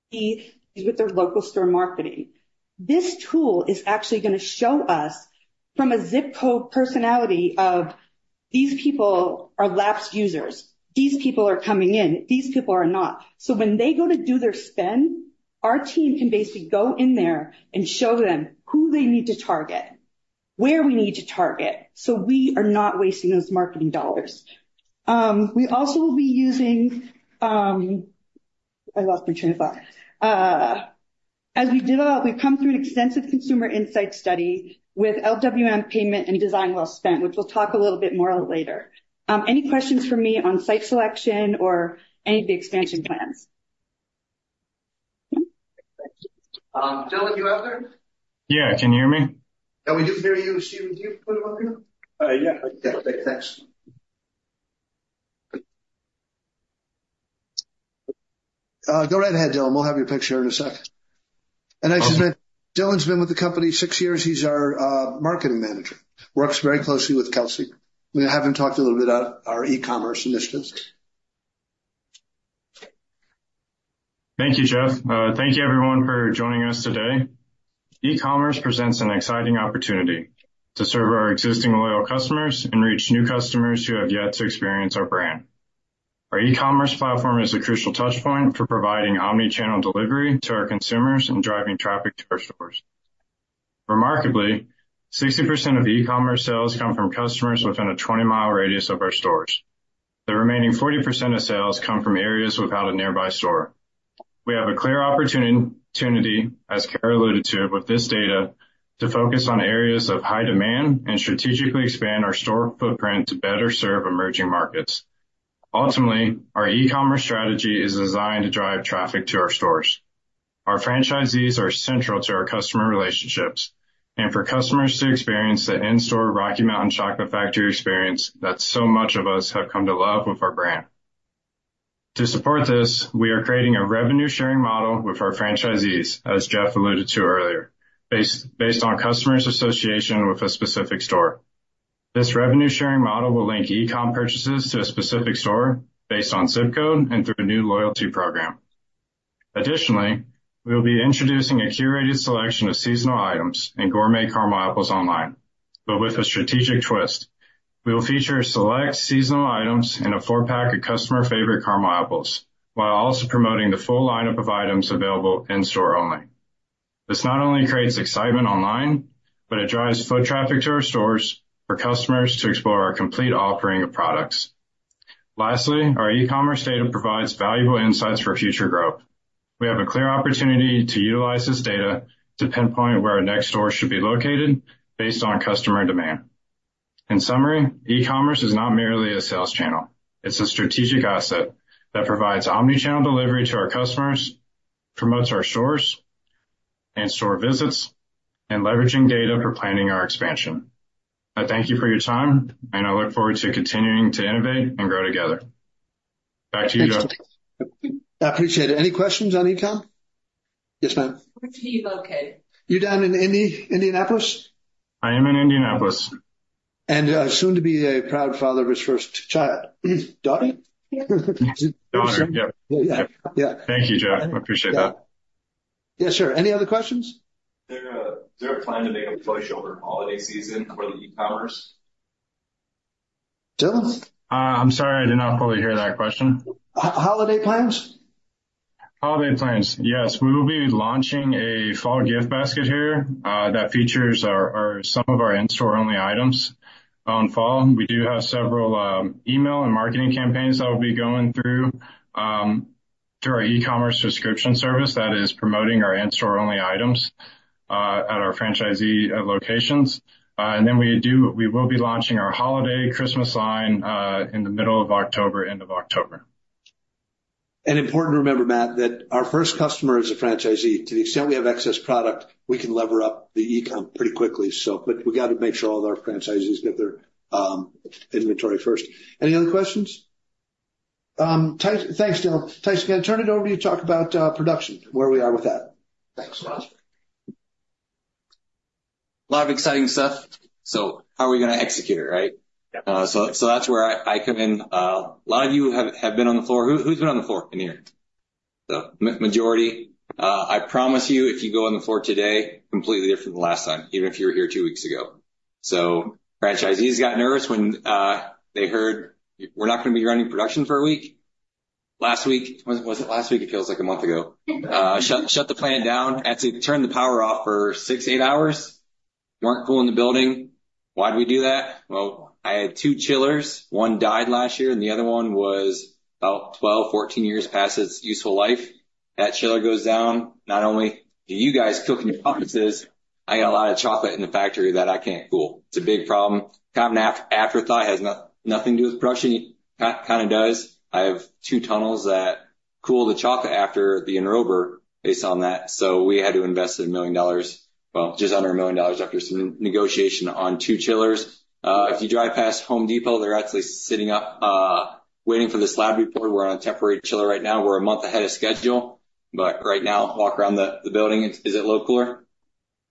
be with their local store marketing. This tool is actually gonna show us from a zip code personality of these people are lapsed users, these people are coming in, these people are not. So when they go to do their spend, our team can basically go in there and show them who they need to target, where we need to target, so we are not wasting those marketing dollars. We also will be using, as we develop, we've come through an extensive consumer insight study with LWM Payment and Design Well Spent, which we'll talk a little bit more later. Any questions for me on site selection or any of the expansion plans? Dylan, you out there? Yeah. Can you hear me? Oh, we do hear you. Can you put him up here? Uh, yeah. Yeah. Thanks. Go right ahead, Dylan. We'll have your picture in a sec. Okay. And as you said, Dylan's been with the company six years. He's our marketing manager, works very closely with Kelsey. We'll have him talk a little bit about our e-commerce initiatives. Thank you, Jeff. Thank you, everyone, for joining us today. E-commerce presents an exciting opportunity to serve our existing loyal customers and reach new customers who have yet to experience our brand. Our e-commerce platform is a crucial touch point for providing omni-channel delivery to our consumers and driving traffic to our stores. Remarkably, 60% of e-commerce sales come from customers within a 20-mile radius of our stores. The remaining 40% of sales come from areas without a nearby store. We have a clear opportunity, as Kara alluded to with this data, to focus on areas of high demand and strategically expand our store footprint to better serve emerging markets. Ultimately, our e-commerce strategy is designed to drive traffic to our stores. Our franchisees are central to our customer relationships, and for customers to experience the in-store Rocky Mountain Chocolate Factory experience that so much of us have come to love with our brand. To support this, we are creating a revenue-sharing model with our franchisees, as Jeff alluded to earlier, based on customers' association with a specific store. This revenue-sharing model will link e-com purchases to a specific store based on ZIP code and through a new loyalty program. Additionally, we will be introducing a curated selection of seasonal items and gourmet caramel apples online, but with a strategic twist. We will feature select seasonal items in a four-pack of customer favorite caramel apples, while also promoting the full lineup of items available in-store only. This not only creates excitement online, but it drives foot traffic to our stores for customers to explore our complete offering of products. Lastly, our e-commerce data provides valuable insights for future growth. We have a clear opportunity to utilize this data to pinpoint where our next store should be located based on customer demand. In summary, e-commerce is not merely a sales channel, it's a strategic asset that provides omni-channel delivery to our customers, promotes our stores and store visits, and leveraging data for planning our expansion. I thank you for your time, and I look forward to continuing to innovate and grow together. Back to you, Jeff. I appreciate it. Any questions on e-com? Yes, ma'am. Where are you located? You're down in Indianapolis? I am in Indianapolis. Soon to be a proud father of his first child. Daughter? Daughter, yep. Yeah. Yeah. Thank you, Jeff. I appreciate that. Yeah, sure. Any other questions? Is there a plan to make a push over holiday season for the e-commerce? Dylan? I'm sorry, I did not fully hear that question. Ho-holiday plans? Holiday plans. Yes, we will be launching a fall gift basket here that features some of our in-store only items in fall. We do have several email and marketing campaigns that will be going through our e-commerce subscription service that is promoting our in-store only items at our franchisee locations. And then we will be launching our holiday Christmas line in the middle of October, end of October. And important to remember, Matt, that our first customer is a franchisee. To the extent we have excess product, we can lever up the e-com pretty quickly, but we got to make sure all our franchisees get their inventory first. Any other questions? Thanks, Dylan. Tyson, can I turn it over to you to talk about production, where we are with that? Thanks. A lot of exciting stuff. So how are we going to execute it, right? Yep. That's where I come in. A lot of you have been on the floor. Who's been on the floor in here? The majority. I promise you, if you go on the floor today, completely different than the last time, even if you were here two weeks ago. Franchisees got nervous when they heard we're not going to be running production for a week. Last week, was it last week? It feels like a month ago. Shut the plant down. Had to turn the power off for 6-8 hours. Weren't cool in the building. Why'd we do that? Well, I had two chillers. One died last year, and the other one was about 12-14 years past its useful life. That chiller goes down, not only do you guys cook in your offices, I got a lot of chocolate in the factory that I can't cool. It's a big problem. Kind of an afterthought, has nothing to do with production. Kind of does. I have two tunnels that cool the chocolate after the enrober based on that, so we had to invest $1 million, well, just under $1 million after some negotiation on two chillers. If you drive past Home Depot, they're actually sitting up, waiting for the slab report. We're on a temporary chiller right now. We're a month ahead of schedule, but right now, walk around the building. Is it a little cooler?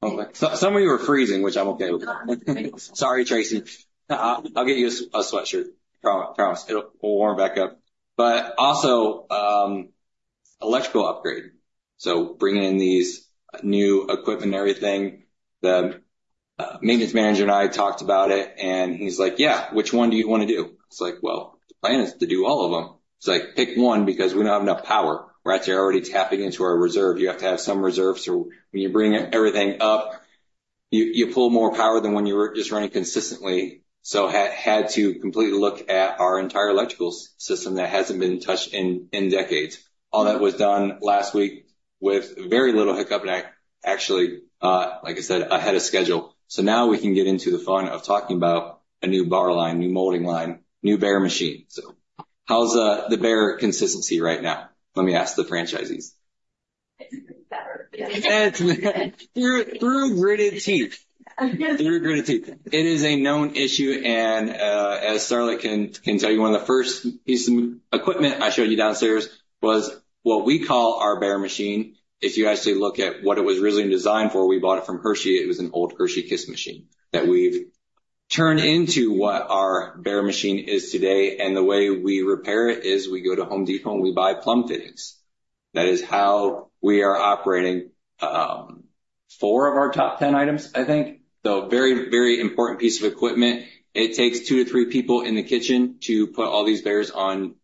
Okay. Some of you are freezing, which I'm okay with. Sorry, Tracy. I'll get you a sweatshirt. Promise. It'll. We'll warm back up. But also, electrical upgrade. So bringing in these new equipment and everything, the maintenance manager and I talked about it, and he's like: "Yeah, which one do you want to do?" It's like, well, the plan is to do all of them. He's like: "Pick one, because we don't have enough power." We're actually already tapping into our reserve. You have to have some reserves, so when you bring everything up, you pull more power than when you were just running consistently. So had to completely look at our entire electrical system that hasn't been touched in decades. All that was done last week with very little hiccup, and I actually, like I said, ahead of schedule. So now we can get into the fun of talking about a new bar line, new molding line, new Bear machine. So how's the Bears consistency right now? Let me ask the franchisees. It's better. It's through gritted teeth. It is a known issue, and as Starla can tell you, one of the first piece of equipment I showed you downstairs was what we call our Bear machine. If you actually look at what it was originally designed for, we bought it from Hershey. It was an old Hershey Kiss machine that we've turned into what our Bear machine is today, and the way we repair it is we go to Home Depot, and we buy plumb fittings. That is how we are operating four of our top ten items, I think. So very, very important piece of equipment. It takes two to three people in the kitchen to put all these bears on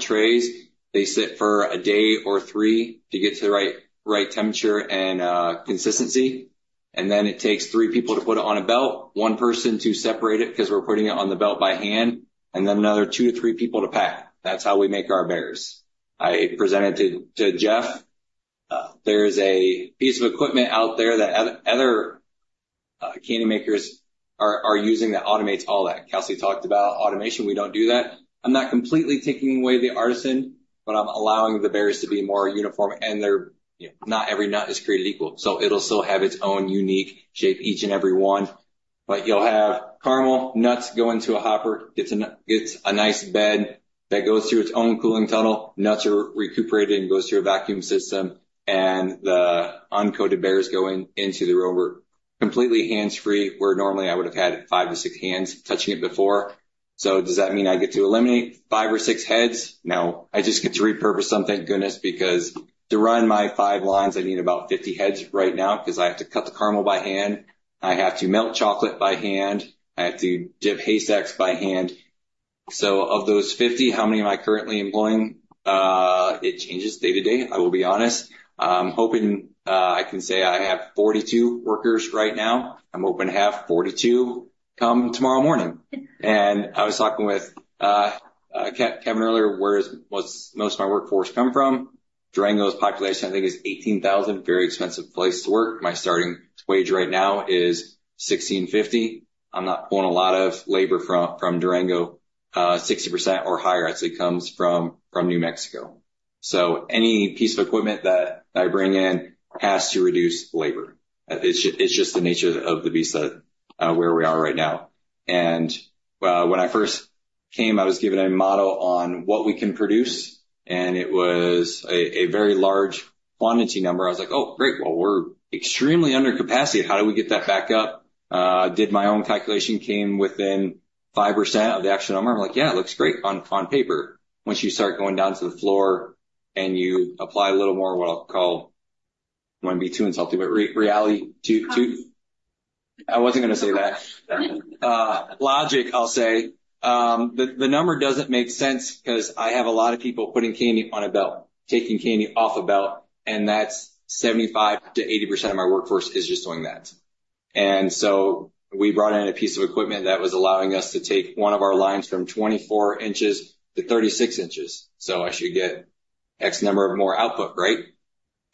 trays. They sit for a day or three to get to the right temperature and consistency, and then it takes three people to put it on a belt, one person to separate it, because we're putting it on the belt by hand, and then another two to three people to pack. That's how we make our bears. I presented to Jeff. There's a piece of equipment out there that other candy makers are using that automates all that. Kelsey talked about automation. We don't do that. I'm not completely taking away the artisan, but I'm allowing the bears to be more uniform, and they're, you know, not every nut is created equal, so it'll still have its own unique shape, each and every one. But you'll have caramel, nuts go into a hopper, gets a nice bed that goes through its own cooling tunnel. Nuts are recuperated and goes through a vacuum system, and the uncoated bears go in, into the enrober, completely hands-free, where normally I would have had five to six hands touching it before. So does that mean I get to eliminate five or six heads? No, I just get to repurpose them, thank goodness, because to run my five lines, I need about 50 heads right now, because I have to cut the caramel by hand, I have to melt chocolate by hand, I have to dip haystacks by hand. So of those 50, how many am I currently employing? It changes day to day, I will be honest. I'm hoping, I can say I have 42 workers right now. I'm hoping to have 42 come tomorrow morning. I was talking with Kevin earlier, where does, where's most of my workforce come from? Durango's population, I think, is 18,000. Very expensive place to work. My starting wage right now is $16.50. I'm not pulling a lot of labor from Durango. 60% or higher actually comes from New Mexico. So any piece of equipment that I bring in has to reduce labor. It's just the nature of the beast that where we are right now. When I first came, I was given a model on what we can produce, and it was a very large quantity number. I was like: Oh, great, well, we're extremely under capacity. How do we get that back up? Did my own calculation, came within 5% of the actual number. I'm like, yeah, it looks great on paper. Once you start going down to the floor and you apply a little more, what I'll call... I don't want to be too insulting, but reality to, to- Cost. I wasn't going to say that. Logic, I'll say. The number doesn't make sense because I have a lot of people putting candy on a belt, taking candy off a belt, and that's 75%-80% of my workforce is just doing that. So we brought in a piece of equipment that was allowing us to take one of our lines from 24 inches to 36 inches. So I should get X number of more output, right?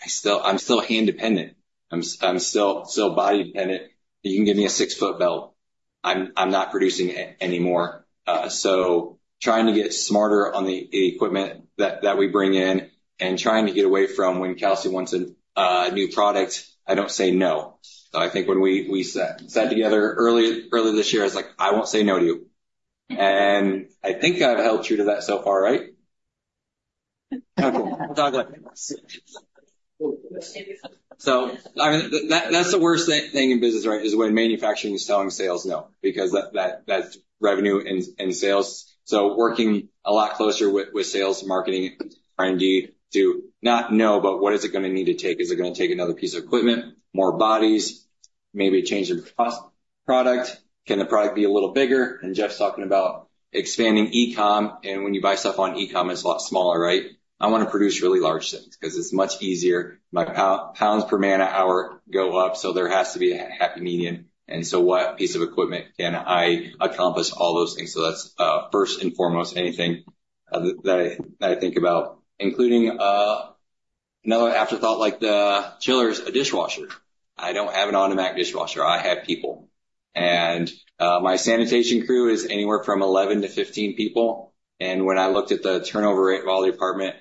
I still, I'm still hand dependent. I'm still body dependent. You can give me a 6-foot belt, I'm not producing anymore. So trying to get smarter on the equipment that we bring in, and trying to get away from when Kelsey wants a new product, I don't say no. So I think when we sat together earlier this year, I was like: I won't say no to you. And I think I've held true to that so far, right? So, I mean, that's the worst thing in business, right? Is when manufacturing is telling sales no, because that's revenue and sales. So working a lot closer with sales, marketing, R&D, to not know, but what is it gonna need to take? Is it gonna take another piece of equipment, more bodies, maybe a change in cost product? Can the product be a little bigger? And Jeff's talking about expanding e-com, and when you buy stuff on e-com, it's a lot smaller, right? I wanna produce really large things 'cause it's much easier. My pounds per man hour go up, so there has to be a happy medium, and so what piece of equipment can I accomplish all those things? So that's first and foremost, anything that I think about, including another afterthought, like the chillers, a dishwasher. I don't have an automatic dishwasher. I have people. And my sanitation crew is anywhere from 11 to 15 people, and when I looked at the turnover rate of all the department,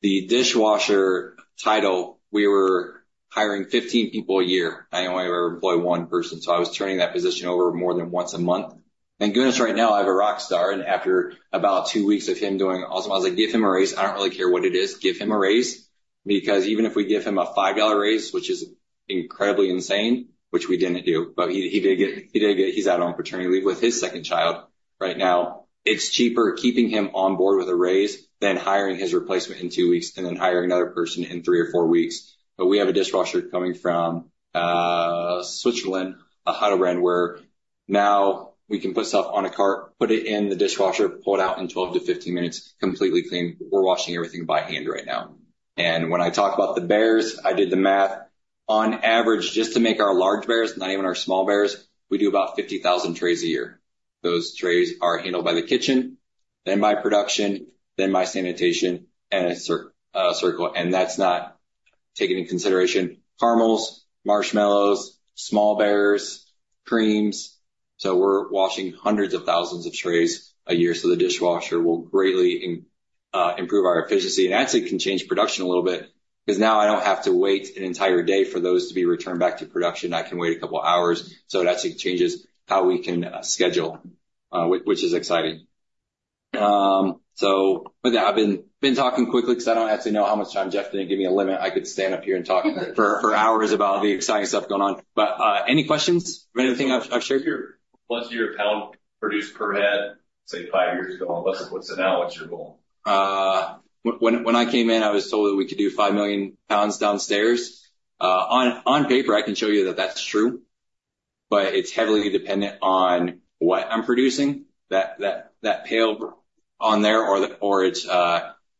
the dishwasher title, we were hiring 15 people a year. I only ever employ 1 person, so I was turning that position over more than once a month. Thank goodness, right now, I have a rock star, and after about 2 weeks of him doing awesome, I was like: "Give him a raise. I don't really care what it is, give him a raise." Because even if we give him a $5 raise, which is incredibly insane, which we didn't do, but he did get. He's out on paternity leave with his second child right now. It's cheaper keeping him on board with a raise than hiring his replacement in two weeks, and then hiring another person in three or four weeks. But we have a dishwasher coming from Switzerland, a Hildebrand, where now we can put stuff on a cart, put it in the dishwasher, pull it out in 12-15 minutes, completely clean. We're washing everything by hand right now. And when I talk about the bears, I did the math. On average, just to make our large bears, not even our small bears, we do about 50,000 trays a year. Those trays are handled by the kitchen, then by production, then by sanitation, and a circle, and that's not taking into consideration caramels, marshmallows, small bears, creams. So we're washing hundreds of thousands of trays a year, so the dishwasher will greatly improve our efficiency, and actually can change production a little bit, 'cause now I don't have to wait an entire day for those to be returned back to production. I can wait a couple of hours, so it actually changes how we can schedule, which is exciting. So with that, I've been talking quickly because I don't actually know how much time. Jeff didn't give me a limit. I could stand up here and talk for hours about the exciting stuff going on. But any questions about anything I've shared? What's your pound produced per head, say, five years ago, and what's it now, what's your goal? When I came in, I was told that we could do 5 million lbs downstairs. On paper, I can show you that that's true, but it's heavily dependent on what I'm producing. That pail on there, or its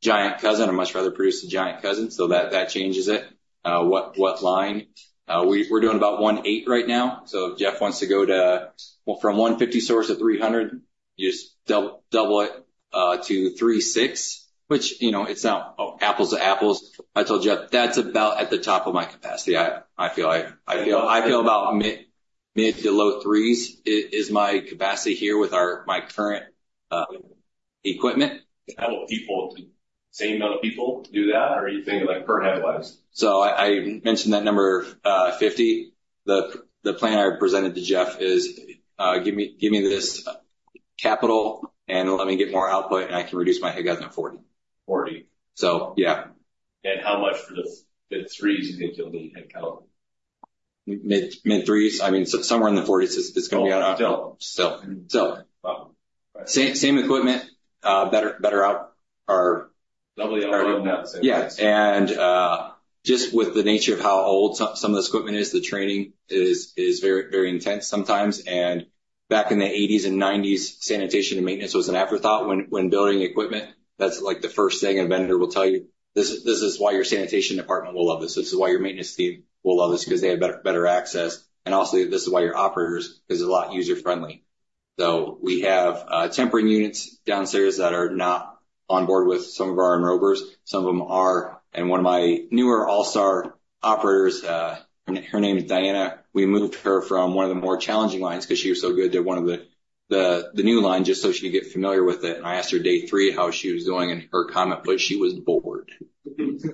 giant cousin, I'd much rather produce the giant cousin, so that changes it. What line? We're doing about 180 right now, so if Jeff wants to go to, well, from 150 stores to 300, you just double it to 360, which, you know, it's not apples to apples. I told Jeff that's about at the top of my capacity. I feel about mid- to low-threes is my capacity here with my current equipment. How about people? Same amount of people do that, or are you thinking, like, per head-wise? So I mentioned that number, 50. The plan I presented to Jeff is, give me this capital and let me get more output, and I can reduce my head count to 40. Forty. So, yeah. How much for the mid-threes do you think you'll need to head count? Mid-threes? I mean, so somewhere in the forties, it's gonna be- Still. Still. Still. Wow! Same equipment, better out our- Doubly out than the same. Yeah, and just with the nature of how old some of this equipment is, the training is very, very intense sometimes. And back in the eighties and nineties, sanitation and maintenance was an afterthought when building equipment. That's, like, the first thing a vendor will tell you. This is why your sanitation department will love this. This is why your maintenance team will love this because they have better access, and also, this is why your operators, it's a lot user-friendly. So we have tempering units downstairs that are not on board with some of our enrobers. Some of them are, and one of my newer all-star operators, her name is Diana. We moved her from one of the more challenging lines because she was so good to one of the new line, just so she could get familiar with it. And I asked her day three, how she was doing, and her comment was, she was bored.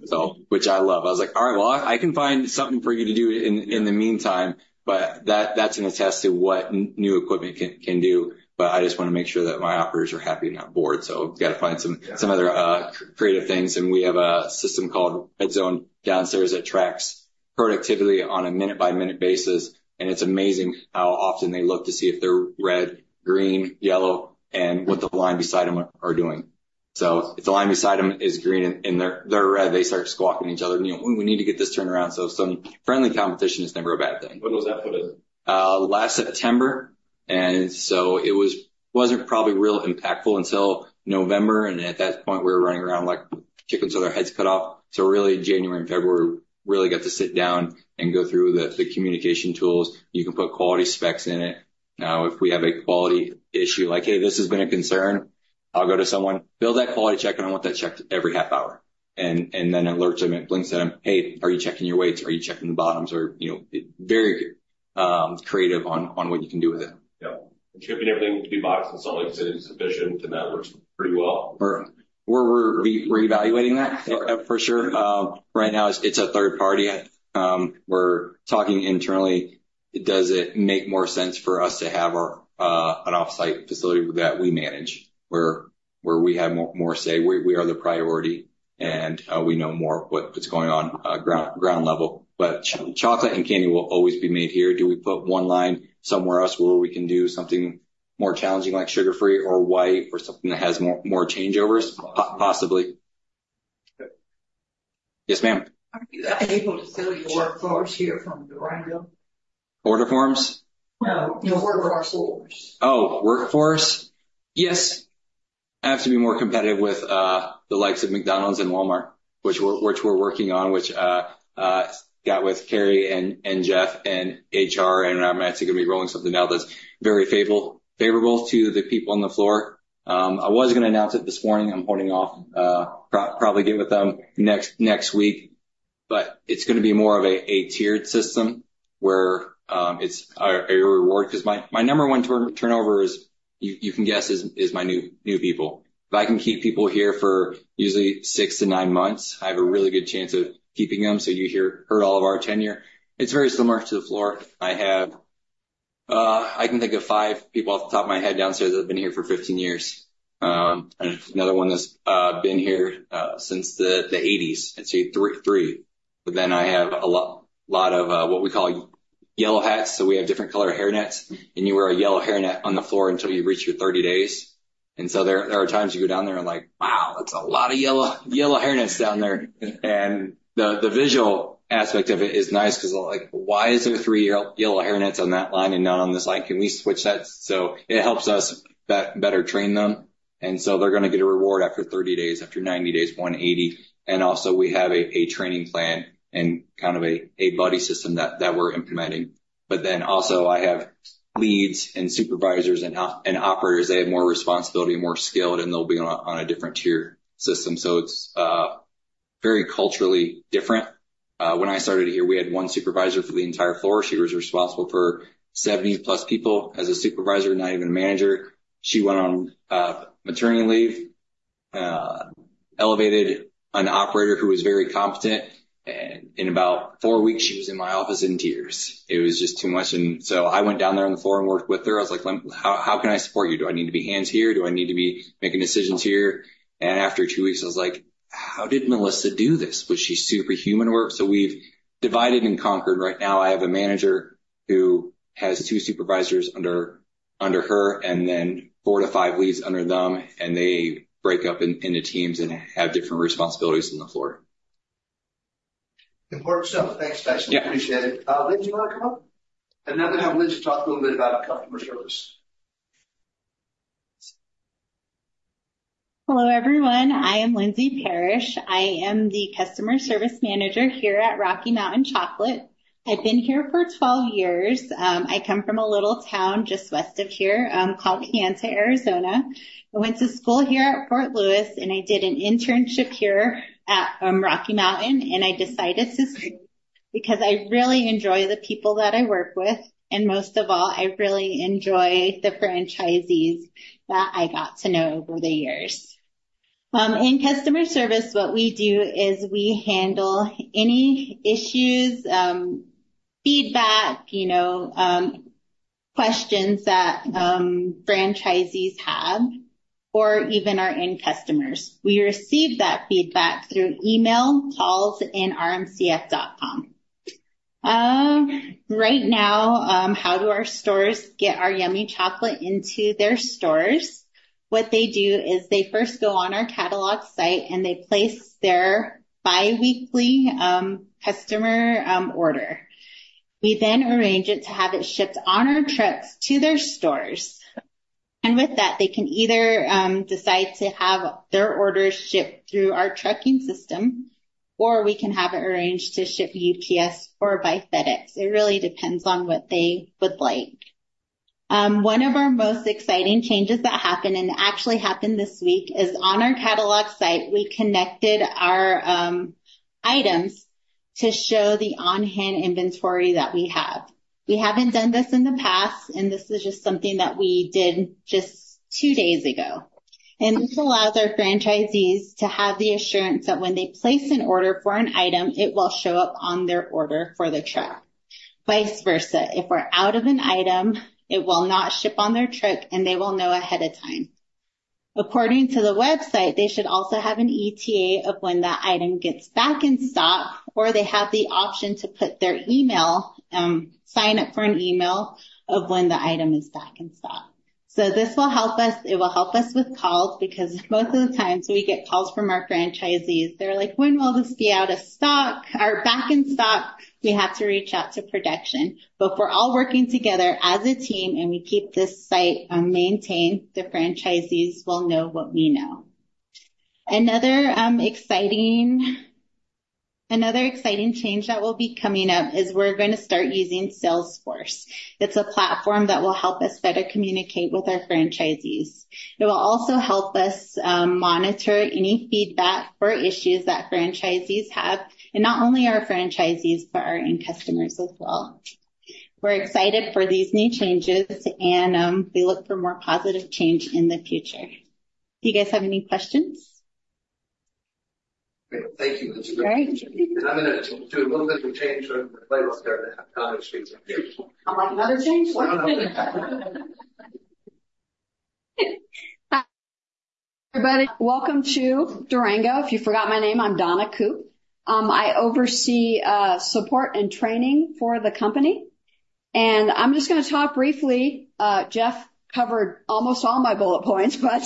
So, which I love. I was like: "All right, well, I can find something for you to do in the meantime," but that's a testament to what new equipment can do, but I just wanna make sure that my operators are happy and not bored, so gotta find some- Yeah. some other creative things, and we have a system called Redzone downstairs that tracks productivity on a minute-by-minute basis, and it's amazing how often they look to see if they're red, green, yellow, and what the line beside them are doing. So if the line beside them is green and they're red, they start squawking each other, "You know, we need to get this turned around." So some friendly competition is never a bad thing. When was that put in? Last September, and so it wasn't probably real impactful until November, and at that point, we were running around like chickens with our heads cut off. So really, January and February, really got to sit down and go through the communication tools. You can put quality specs in it. Now, if we have a quality issue, like, hey, this has been a concern, I'll go to someone, build that quality check, and I want that checked every half hour, and then alert them and blink to them, "Hey, are you checking your weights? Are you checking the bottoms?" Or, you know, very creative on what you can do with it. Yeah. And shipping everything to be boxed in Salt Lake City is sufficient, and that works pretty well? We're reevaluating that, for sure. Right now, it's a third party. We're talking internally, does it make more sense for us to have our own off-site facility that we manage, where we have more say, where we are the priority, and we know more of what's going on ground level, but chocolate and candy will always be made here. Do we put one line somewhere else where we can do something more challenging, like sugar-free or white or something that has more changeovers? Possibly. Okay. Yes, ma'am. Are you able to fill your workforce here from Durango? Order forms? No. Your workforce. Oh, workforce? Yes. I have to be more competitive with the likes of McDonald's and Walmart, which we're working on, which got with Carrie and Jeff and HR, and I'm actually going to be rolling something out that's very favorable to the people on the floor. I was going to announce it this morning. I'm holding off, probably get with them next week, but it's going to be more of a tiered system where it's a reward, because my number one turnover is, you can guess, is my new people. If I can keep people here for usually six to nine months, I have a really good chance of keeping them. So you heard all of our tenure. It's very similar to the floor. I can think of five people off the top of my head downstairs that have been here for 15 years. And another one that's been here since the 1980s. I'd say three. But then I have a lot of what we call yellow hats. So we have different color hairnets, and you wear a yellow hairnet on the floor until you reach your 30 days. And so there are times you go down there and like, "Wow, that's a lot of yellow hairnets down there." And the visual aspect of it is nice because, like, why is there three yellow hairnets on that line and not on this line? Can we switch that? So it helps us better train them, and so they're going to get a reward after 30 days, after 90 days, 180. And also, we have a training plan and kind of a buddy system that we're implementing. But then also I have leads and supervisors and operators. They have more responsibility and more skill, and they'll be on a different tier system. So it's very culturally different. When I started here, we had one supervisor for the entire floor. She was responsible for 70-plus people as a supervisor, not even a manager. She went on maternity leave, elevated an operator who was very competent, and in about 4 weeks, she was in my office in tears. It was just too much. And so I went down there on the floor and worked with her. I was like, "How can I support you? Do I need to be hands here? Do I need to be making decisions here?" and after two weeks, I was like: How did Melissa do this? Was she superhuman or... so we've divided and conquered. Right now, I have a manager who has two supervisors under her, and then four to five leads under them, and they break up into teams and have different responsibilities on the floor. It works out. Thanks, Tyson. Yeah. I appreciate it. Lindsay, you want to come up, and I'm going to have Lindsay talk a little bit about customer service. Hello, everyone. I am Lindsay Parrish. I am the customer service manager here at Rocky Mountain Chocolate. I've been here for 12 years. I come from a little town just west of here, called Arizona. I went to school here at Fort Lewis, and I did an internship here at Rocky Mountain, and I decided to stay because I really enjoy the people that I work with, and most of all, I really enjoy the franchisees that I got to know over the years. In customer service, what we do is we handle any issues, feedback, you know, questions that franchisees have, or even our end customers. We receive that feedback through email, calls, and rmcf.com. Right now, how do our stores get our yummy chocolate into their stores? What they do is they first go on our catalog site, and they place their biweekly, customer, order. We then arrange it to have it shipped on our trucks to their stores, and with that, they can either decide to have their orders shipped through our trucking system, or we can have it arranged to ship UPS or by FedEx. It really depends on what they would like. One of our most exciting changes that happened, and actually happened this week, is on our catalog site, we connected our items to show the on-hand inventory that we have. We haven't done this in the past, and this is just something that we did just two days ago, and this allows our franchisees to have the assurance that when they place an order for an item, it will show up on their order for the truck. Vice versa, if we're out of an item, it will not ship on their truck, and they will know ahead of time. According to the website, they should also have an ETA of when that item gets back in stock, or they have the option to put their email, sign up for an email of when the item is back in stock. This will help us. It will help us with calls because most of the time we get calls from our franchisees, they're like: "When will this be out of stock or back in stock?" We have to reach out to production. But we're all working together as a team, and we keep this site maintained. The franchisees will know what we know. ...Another exciting change that will be coming up is we're going to start using Salesforce. It's a platform that will help us better communicate with our franchisees. It will also help us monitor any feedback or issues that franchisees have, and not only our franchisees, but our end customers as well. We're excited for these new changes, and we look for more positive change in the future. Do you guys have any questions? Thank you. That's great. All right. And I'm going to do a little bit of a change of the playbook there to have Donna speak. I'm like, another change? What? No, no. Hi, everybody. Welcome to Durango. If you forgot my name, I'm Donna Coupe. I oversee support and training for the company, and I'm just going to talk briefly. Jeff covered almost all my bullet points, but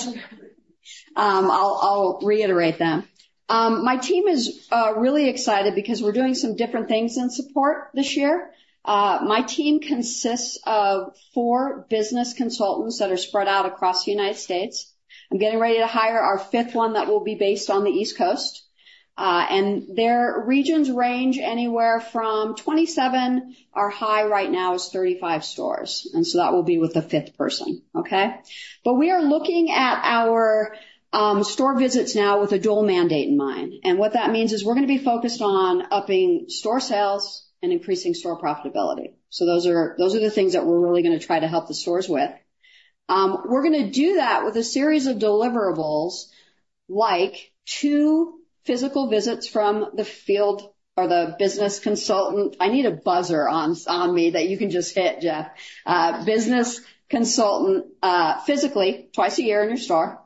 I'll reiterate them. My team is really excited because we're doing some different things in support this year. My team consists of four business consultants that are spread out across the United States. I'm getting ready to hire our fifth one that will be based on the East Coast. And their regions range anywhere from 27, our high right now is 35 stores, and so that will be with the fifth person. Okay? But we are looking at our store visits now with a dual mandate in mind. What that means is we're going to be focused on upping store sales and increasing store profitability. Those are the things that we're really going to try to help the stores with. We're going to do that with a series of deliverables, like two physical visits from the field or the Business Consultant. I need a buzzer on me that you can just hit, Jeff. Business Consultant, physically, twice a year in your store.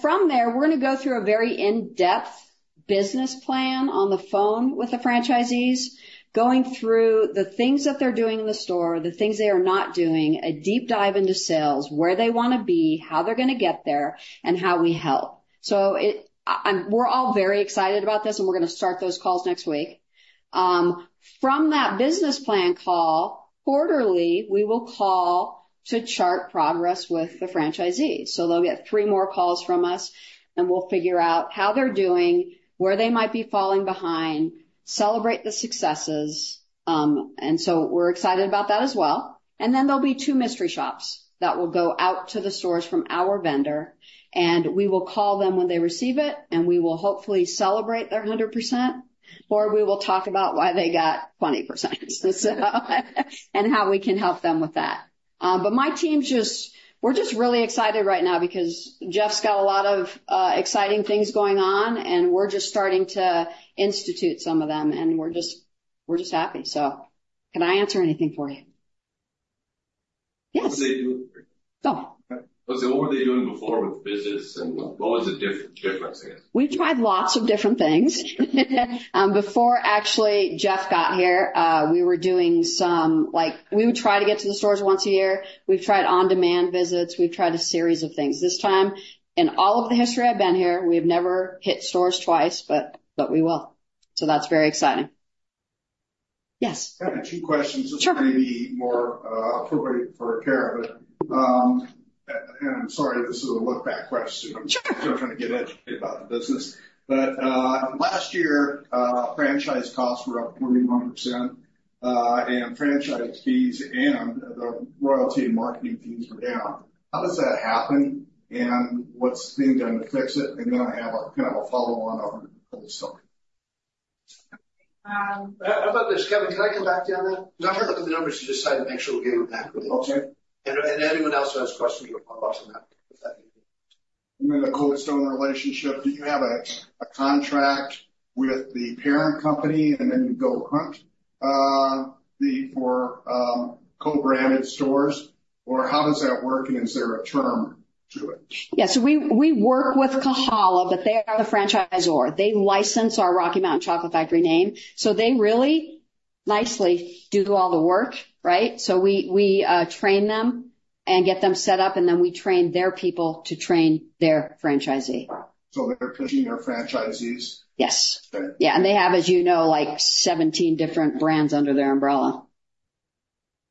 From there, we're going to go through a very in-depth business plan on the phone with the franchisees, going through the things that they're doing in the store, the things they are not doing, a deep dive into sales, where they want to be, how they're going to get there, and how we help. We're all very excited about this, and we're going to start those calls next week. From that business plan call, quarterly, we will call to chart progress with the franchisee. They'll get three more calls from us, and we'll figure out how they're doing, where they might be falling behind, celebrate the successes, and we're excited about that as well. Then there'll be two mystery shops that will go out to the stores from our vendor, and we will call them when they receive it, and we will hopefully celebrate their 100%, or we will talk about why they got 20%, and how we can help them with that. But my team's just really excited right now because Jeff's got a lot of exciting things going on, and we're just starting to institute some of them, and we're just, we're just happy. So can I answer anything for you? Yes. What were they doing- Go. What were they doing before with business, and what was the difference again? We've tried lots of different things. Before actually, Jeff got here, we were doing some. We would try to get to the stores once a year. We've tried on-demand visits. We've tried a series of things. This time, in all of the history I've been here, we've never hit stores twice, but we will. So that's very exciting. Yes. I have two questions. Sure. This may be more appropriate for Kara, but, and I'm sorry if this is a look-back question. Sure. I'm trying to get educated about the business, but last year franchise costs were up 41%, and franchise fees and the royalty and marketing fees were down. How does that happen, and what's being done to fix it, then I have kind of a follow-on on the whole story. Um- How about this, Kevin, can I come back to you on that? Because I want to look at the numbers you just said and make sure we get them back with those. Okay. Anyone else who has questions, we'll follow up on that. And then the Cold Stone relationship, do you have a contract with the parent company, and then you go hunt for co-branded stores? Or how does that work, and is there a term to it? Yes. So we work with Kahala, but they are the franchisor. They license our Rocky Mountain Chocolate Factory name, so they really nicely do all the work, right? So we train them and get them set up, and then we train their people to train their franchisee. So they're pushing their franchisees? Yes. Okay. Yeah, and they have, as you know, like 17 different brands under their umbrella.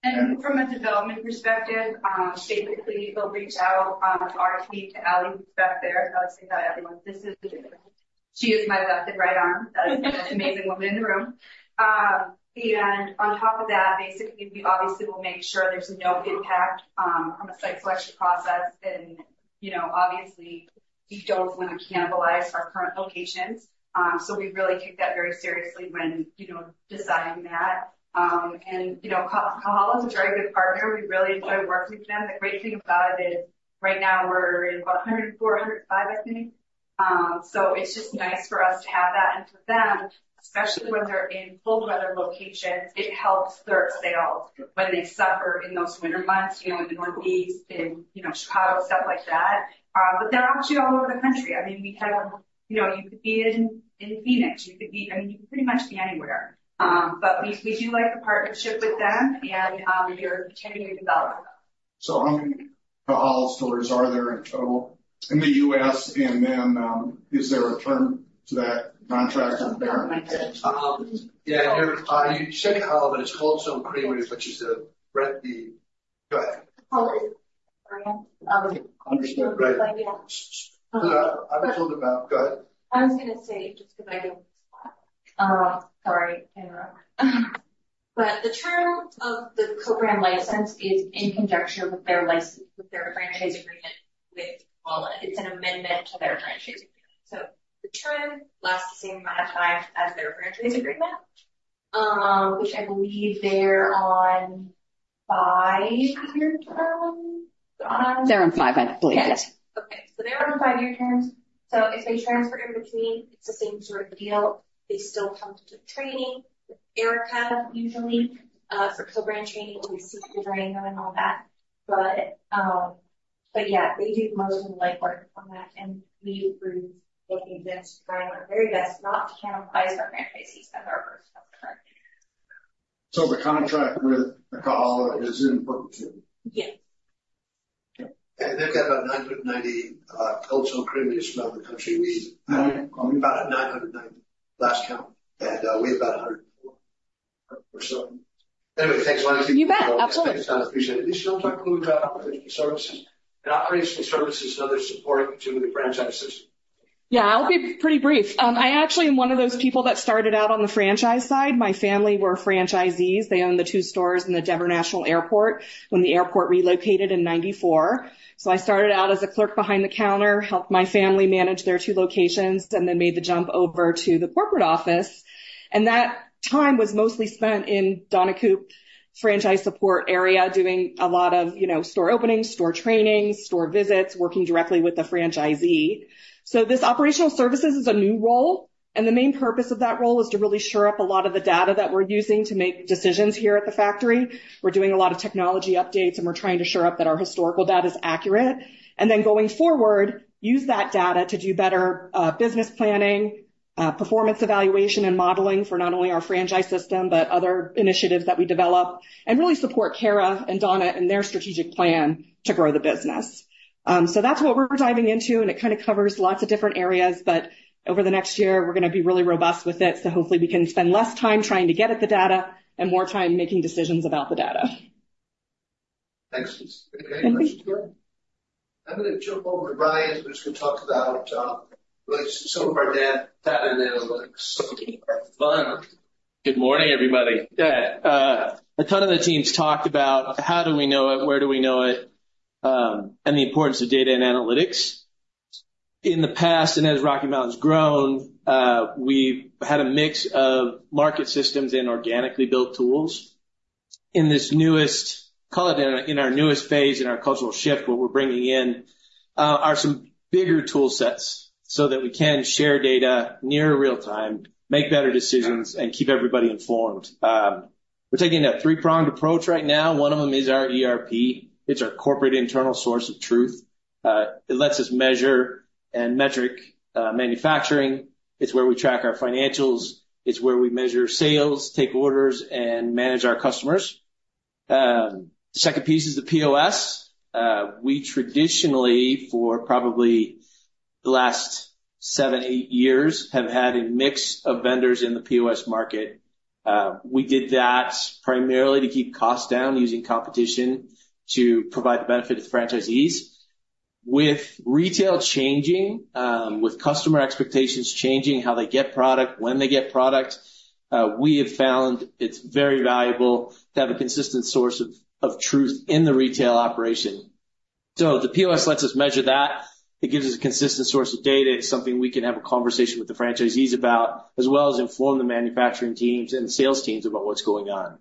And from a development perspective, basically, they'll reach out to our team, to Ally back there. Say hi, everyone. This is Ally. She is my left and right arm. Amazing woman in the room. And on top of that, basically, we obviously will make sure there's no impact from a site selection process. And, you know, obviously, we don't want to cannibalize our current locations, so we really take that very seriously when, you know, deciding that. And, you know, Kahala is a very good partner. We really enjoy working with them. The great thing about it is, right now we're in what? A hundred and four, a hundred and five, I think. So it's just nice for us to have that. For them, especially when they're in cold weather locations, it helps their sales when they suffer in those winter months, you know, in the Northeast, in, you know, Chicago, stuff like that. But they're actually all over the country. I mean, we have, you know, you could be in Phoenix, you could be, I mean, you could pretty much be anywhere. But we do like the partnership with them and we are continuing to develop. How many Kahala stores are there in total in the U.S., and then, is there a term to that contract? There are- Yeah, you said Kahala, but it's Cold Stone Creamery, which is the brand, the- ...Go ahead. Um, Understood. Great. Go ahead. I was going to say, just because I don't. Sorry, I interrupt. But the term of the co-brand license is in conjunction with their license, with their franchise agreement with Kahala. It's an amendment to their franchise agreement. So the term lasts the same amount of time as their franchise agreement, which I believe they're on five-year terms on? They're on five, I believe, yes. Okay. So they're on five-year terms. So if they transfer in between, it's the same sort of deal. They still come to training with Erica, usually, for co-brand training, or we see during them and all that. But, but yeah, they do most of the legwork on that, and we approve the agents, try our very best not to cannibalize our franchisees as our first customer. So the contract with Kahala is in perpetuity? Yes. And they've got about nine hundred and ninety cultural credits around the country. We've about nine hundred and ninety, last count, and we have about a hundred and four or so. Anyway, thanks a lot. You bet. Absolutely. Appreciate it. Did you still talk about operational services? And operational services and other support to the franchises. Yeah, I'll be pretty brief. I actually am one of those people that started out on the franchise side. My family were franchisees. They owned the two stores in the Denver International Airport when the airport relocated in ninety-four. So I started out as a clerk behind the counter, helped my family manage their two locations, and then made the jump over to the corporate office. That time was mostly spent in Donna Coupe franchise support area, doing a lot of, you know, store openings, store trainings, store visits, working directly with the franchisee. So this operational services is a new role, and the main purpose of that role is to really shore up a lot of the data that we're using to make decisions here at the factory. We're doing a lot of technology updates, and we're trying to shore up that our historical data is accurate. And then going forward, use that data to do better business planning, performance evaluation and modeling for not only our franchise system, but other initiatives that we develop, and really support Kara and Donna in their strategic plan to grow the business. So that's what we're diving into, and it kind of covers lots of different areas, but over the next year, we're going to be really robust with it. So hopefully, we can spend less time trying to get at the data and more time making decisions about the data. Thanks. Thank you. I'm going to jump over to Ryan, who's going to talk about some of our data and analytics. Fun. Good morning, everybody. A ton of the teams talked about how do we know it, where do we know it, and the importance of data and analytics. In the past, and as Rocky Mountain's grown, we've had a mix of market systems and organically built tools. In this newest, call it in our newest phase, in our cultural shift, what we're bringing in are some bigger tool sets so that we can share data near real-time, make better decisions, and keep everybody informed. We're taking a three-pronged approach right now. One of them is our ERP. It's our corporate internal source of truth. It lets us measure and metrics manufacturing. It's where we track our financials. It's where we measure sales, take orders, and manage our customers. The second piece is the POS. We traditionally, for probably the last seven, eight years, have had a mix of vendors in the POS market. We did that primarily to keep costs down, using competition to provide the benefit to franchisees. With retail changing, with customer expectations changing, how they get product, when they get product, we have found it's very valuable to have a consistent source of truth in the retail operation. So the POS lets us measure that. It gives us a consistent source of data. It's something we can have a conversation with the franchisees about, as well as inform the manufacturing teams and sales teams about what's going on.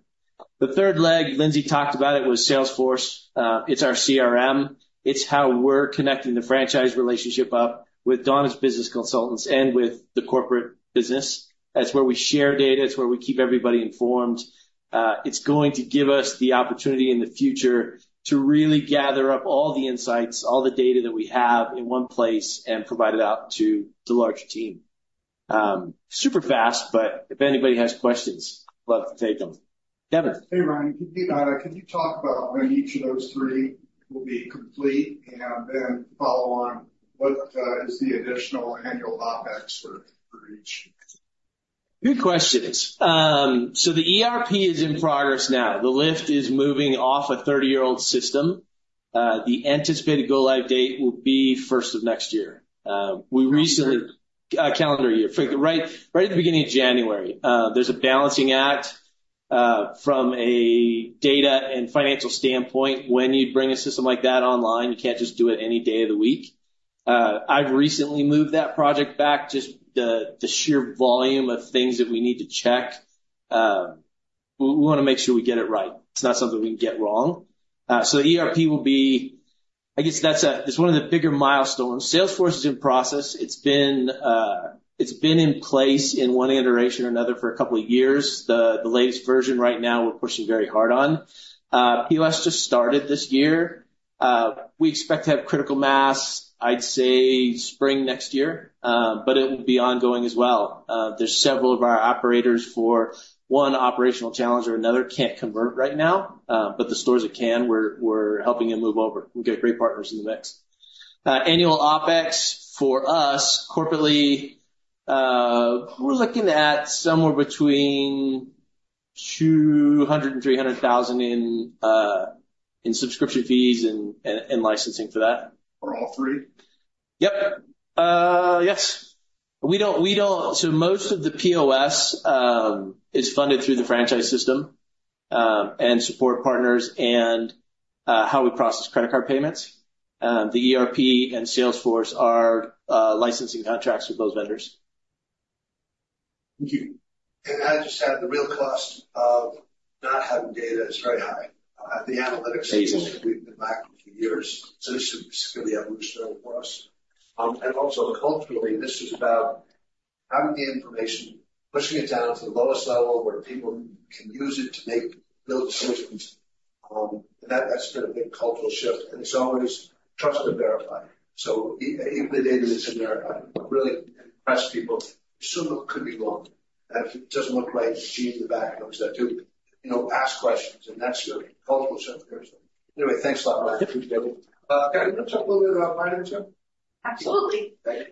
The third leg, Lindsay talked about it, was Salesforce. It's our CRM. It's how we're connecting the franchise relationship up with Donna's business consultants and with the corporate business. That's where we share data. It's where we keep everybody informed. It's going to give us the opportunity in the future to really gather up all the insights, all the data that we have in one place and provide it out to the larger team super fast, but if anybody has questions, I'd love to take them. Kevin? Hey, Ryan, could you talk about when each of those three will be complete? And then follow on, what is the additional annual OpEx for each? Good questions. So the ERP is in progress now. The lift is moving off a 30-year-old system. The anticipated go-live date will be first of next year. We recently- Calendar? Calendar year, right at the beginning of January. There's a balancing act from a data and financial standpoint. When you bring a system like that online, you can't just do it any day of the week. I've recently moved that project back, just the sheer volume of things that we need to check. We want to make sure we get it right. It's not something we can get wrong. So the ERP will be. I guess that's a—it's one of the bigger milestones. Salesforce is in process. It's been in place in one iteration or another for a couple of years. The latest version right now, we're pushing very hard on. POS just started this year. We expect to have critical mass, I'd say, spring next year, but it will be ongoing as well. There's several of our operators for one operational challenge or another, can't convert right now, but the stores that can, we're helping them move over. We've got great partners in the mix.... annual OpEx for us, corporately, we're looking at somewhere between $200,000-$300,000 in subscription fees and licensing for that. For all three? Yep. Yes. We don't, so most of the POS is funded through the franchise system, and support partners, and how we process credit card payments. The ERP and Salesforce are licensing contracts with those vendors. Thank you. And I just add, the real cost of not having data is very high. The analytics- Absolutely. We've been back a few years, so this is specifically a booster for us, and also culturally, this is about having the information, pushing it down to the lowest level where people can use it to make real decisions, and that, that's been a big cultural shift, and it's always trust but verify, so even if the data is in there, I really impress people, some of it could be wrong, and if it doesn't look right, see in the back, those that do, you know, ask questions, and that's a cultural shift. Anyway, thanks a lot, Ryan. Carrie, can you talk a little bit about finance here? Absolutely. Thank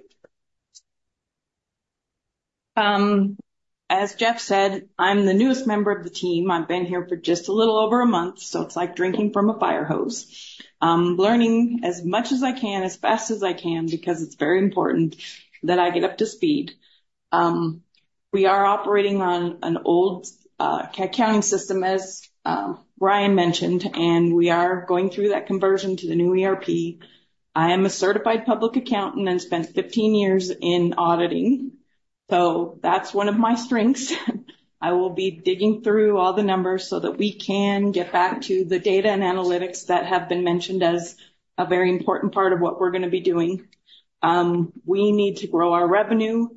you. As Jeff said, I'm the newest member of the team. I've been here for just a little over a month, so it's like drinking from a fire hose. Learning as much as I can, as fast as I can, because it's very important that I get up to speed. We are operating on an old accounting system, as Ryan mentioned, and we are going through that conversion to the new ERP. I am a certified public accountant and spent 15 years in auditing, so that's one of my strengths. I will be digging through all the numbers so that we can get back to the data and analytics that have been mentioned as a very important part of what we're gonna be doing. We need to grow our revenue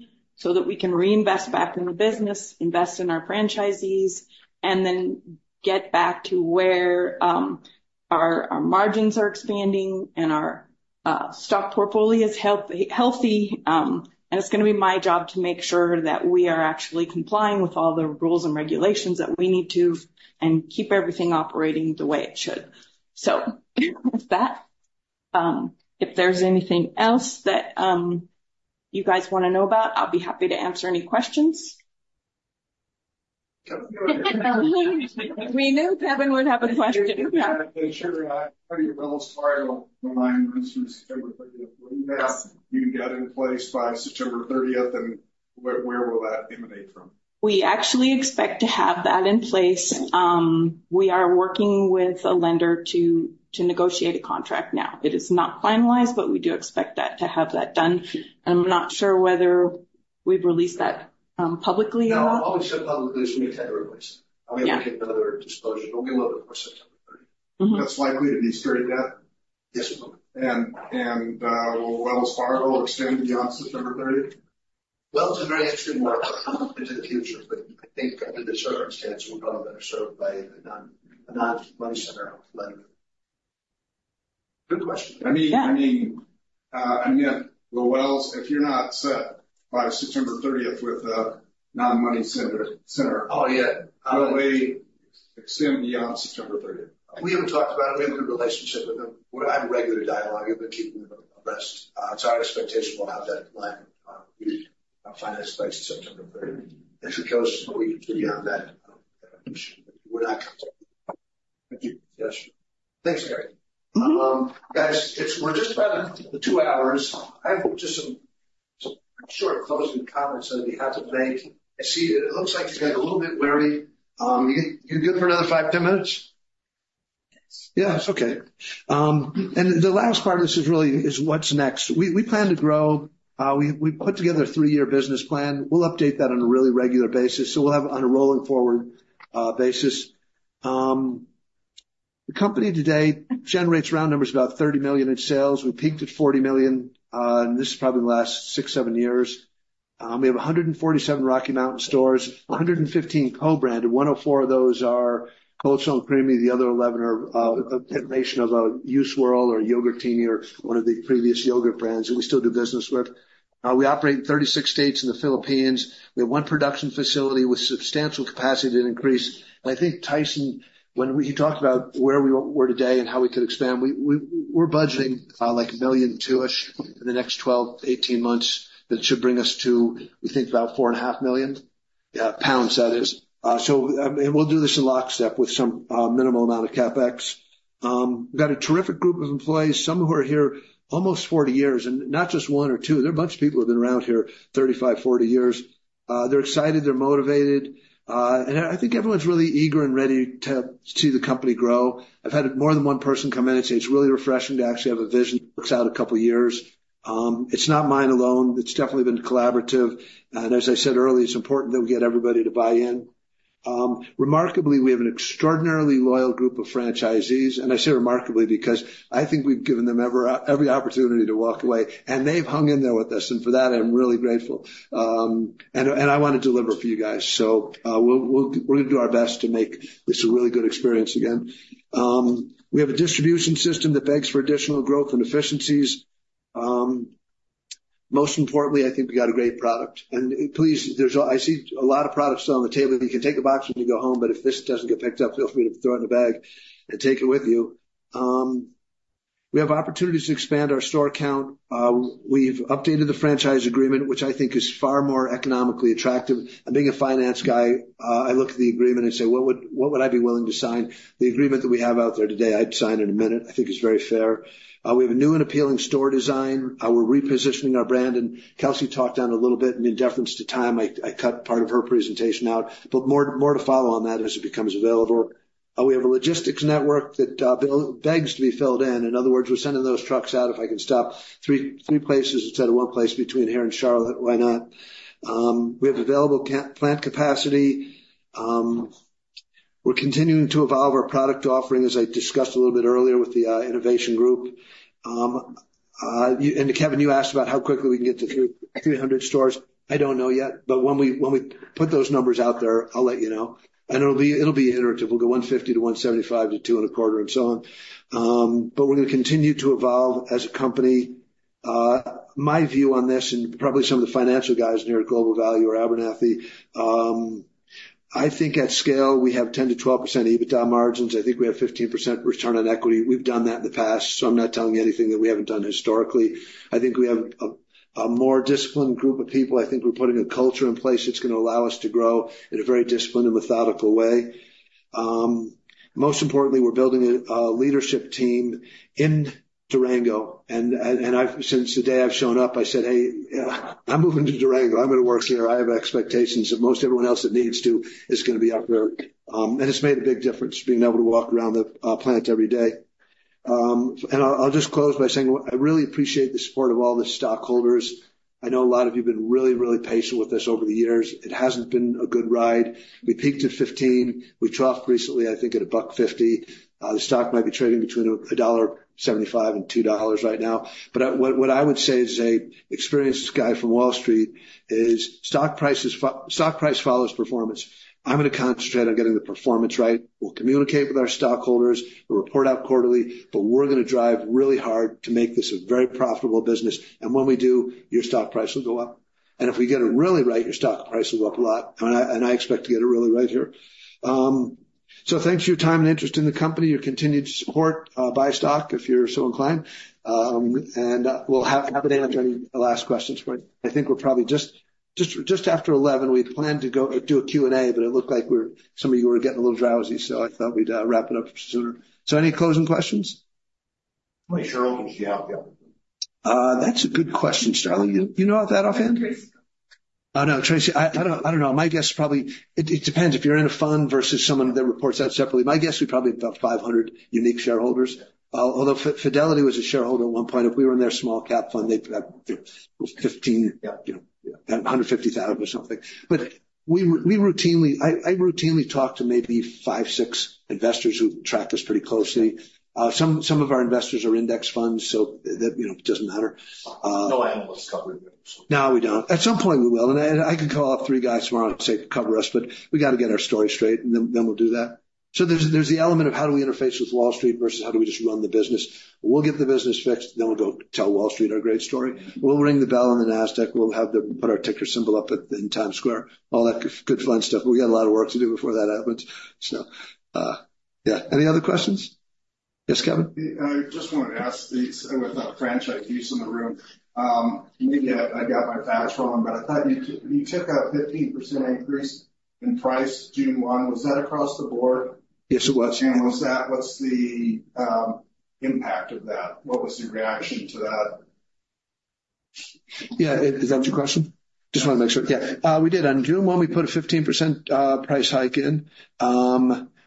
so that we can reinvest back in the business, invest in our franchisees, and then get back to where our margins are expanding and our stock portfolio is healthy. And it's gonna be my job to make sure that we are actually complying with all the rules and regulations that we need to, and keep everything operating the way it should. So with that, if there's anything else that you guys want to know about, I'll be happy to answer any questions. We knew Kevin would have a question. Sure. How does Wells Fargo remind us through September thirtieth? You can get in place by September thirtieth, and where, where will that emanate from? We actually expect to have that in place. We are working with a lender to negotiate a contract now. It is not finalized, but we do expect that, to have that done. I'm not sure whether we've released that, publicly or not. No. All we said publicly is we intend to release it. Yeah. I'll get another disclosure, but we'll look before September thirtieth. Mm-hmm. That's likely to be secured debt? Yes. Will Wells Fargo extend beyond September thirtieth? Wells Fargo is very extreme into the future, but I think under the circumstance, we're probably better served by a non-money center lender. Good question. Yeah. I mean, the Wells Fargo, if you're not set by September thirtieth with a non-money center. Oh, yeah. Will they extend beyond September thirtieth? We haven't talked about it. We have a good relationship with them. I have a regular dialogue, and we keep them abreast. It's our expectation we'll have that line, our finance in place September thirtieth, and if it goes, we continue on that, we're not comfortable. Thank you. Yes. Thanks, Carrie. Mm-hmm. Guys, it's, we're just about two hours. I have just some short closing comments that I'd like to make. I see it looks like you got a little bit weary. You good for another five, ten minutes? Yes. Yes. Okay, and the last part of this is really, is what's next? We plan to grow. We put together a three-year business plan. We'll update that on a really regular basis, so we'll have it on a rolling forward basis. The company today generates round numbers, about $30 million in sales. We peaked at $40 million, and this is probably the last six, seven years. We have 147 Rocky Mountain stores, 115 co-branded. 104 of those are Cold Stone Creamery. The other 11 are a combination of a U-Swirl or Yogurtini or one of the previous yogurt brands that we still do business with. We operate in 36 states in the Philippines. We have one production facility with substantial capacity to increase. I think, Tyson, when he talked about where we were today and how we could expand, we're budgeting like a million two-ish in the next 12-18 months. That should bring us to, we think, about 4.5 million pounds, that is. So, and we'll do this in lockstep with some minimal amount of CapEx. We've got a terrific group of employees, some who are here almost 40 years, and not just one or two. There are a bunch of people who've been around here 35, 40 years. They're excited, they're motivated, and I think everyone's really eager and ready to see the company grow. I've had more than one person come in and say, "It's really refreshing to actually have a vision that looks out a couple of years." It's not mine alone. It's definitely been collaborative, and as I said earlier, it's important that we get everybody to buy in. Remarkably, we have an extraordinarily loyal group of franchisees, and I say remarkably because I think we've given them every opportunity to walk away, and they've hung in there with us, and for that, I'm really grateful. And I want to deliver for you guys. So, we'll do our best to make this a really good experience again. We have a distribution system that begs for additional growth and efficiencies. Most importantly, I think we got a great product. And please, I see a lot of products on the table. You can take a box when you go home, but if this doesn't get picked up, feel free to throw it in a bag and take it with you. We have opportunities to expand our store count. We've updated the franchise agreement, which I think is far more economically attractive, and being a finance guy, I look at the agreement and say: "What would I be willing to sign?" The agreement that we have out there today, I'd sign in a minute. I think it's very fair. We have a new and appealing store design. We're repositioning our brand, and Kelsey talked on it a little bit, and in deference to time, I cut part of her presentation out, but more to follow on that as it becomes available. We have a logistics network that begs to be filled in. In other words, we're sending those trucks out; if I can stop three places instead of one place between here and Charlotte, why not? We have available plant capacity. We're continuing to evolve our product offering, as I discussed a little bit earlier with the innovation group. And Kevin, you asked about how quickly we can get to 300 stores. I don't know yet, but when we put those numbers out there, I'll let you know. And it'll be iterative. We'll go 150 to 175 to 225, and so on. But we're gonna continue to evolve as a company. My view on this, and probably some of the financial guys near Global Value or Abernathy, I think at scale, we have 10-12% EBITDA margins. I think we have 15% return on equity. We've done that in the past, so I'm not telling you anything that we haven't done historically. I think we have a more disciplined group of people. I think we're putting a culture in place that's gonna allow us to grow in a very disciplined and methodical way. Most importantly, we're building a leadership team in Durango, and I've—since the day I've shown up, I said, "Hey, I'm moving to Durango. I'm gonna work here. I have expectations, and most everyone else that needs to is gonna be up here," and it's made a big difference being able to walk around the plant every day. I'll just close by saying I really appreciate the support of all the stockholders. I know a lot of you have been really, really patient with us over the years. It hasn't been a good ride. We peaked at $15. We troughed recently, I think, at $1.50. The stock might be trading between $1.75 and $2 right now. But what I would say as an experienced guy from Wall Street is stock price follows performance. I'm gonna concentrate on getting the performance right. We'll communicate with our stockholders. We'll report out quarterly, but we're gonna drive really hard to make this a very profitable business. And when we do, your stock price will go up. And if we get it really right, your stock price will go up a lot, and I expect to get it really right here. So thanks for your time and interest in the company, your continued support. Buy stock if you're so inclined. And we'll be happy to answer any last questions. I think we're probably just after 11:00 A.M. We had planned to go do a Q&A, but it looked like we're, some of you were getting a little drowsy, so I thought we'd wrap it up sooner. So any closing questions? How many shareholders do you have now? That's a good question, Charlie. Do you know offhand? Tracy. No, Tracy, I don't know. My guess, probably. It depends if you're in a fund versus someone that reports out separately. My guess, we're probably about five hundred unique shareholders. Although Fidelity was a shareholder at one point, if we were in their small cap fund, they'd have fifteen, you know, hundred fifty thousand or something. But we routinely. I routinely talk to maybe five, six investors who track us pretty closely. Some of our investors are index funds, so that, you know, it doesn't matter. No analysts covering you. No, we don't. At some point, we will, and I could call up three guys tomorrow and say, "Cover us," but we got to get our story straight, and then we'll do that. So there's the element of how do we interface with Wall Street versus how do we just run the business? We'll get the business fixed, then we'll go tell Wall Street our great story. We'll ring the bell on the Nasdaq. We'll have them put our ticker symbol up at, in Times Square, all that good, fun stuff. We got a lot of work to do before that happens. So, yeah. Any other questions? Yes, Kevin? I just wanted to ask the, with our franchisees in the room, maybe I, I got my facts wrong, but I thought you, you took a 15% increase in price June 1. Was that across the board? Yes, it was. Was that, what's the impact of that? What was the reaction to that? Yeah, is that your question? Just want to make sure. Yeah. We did. On June 1, we put a 15% price hike in.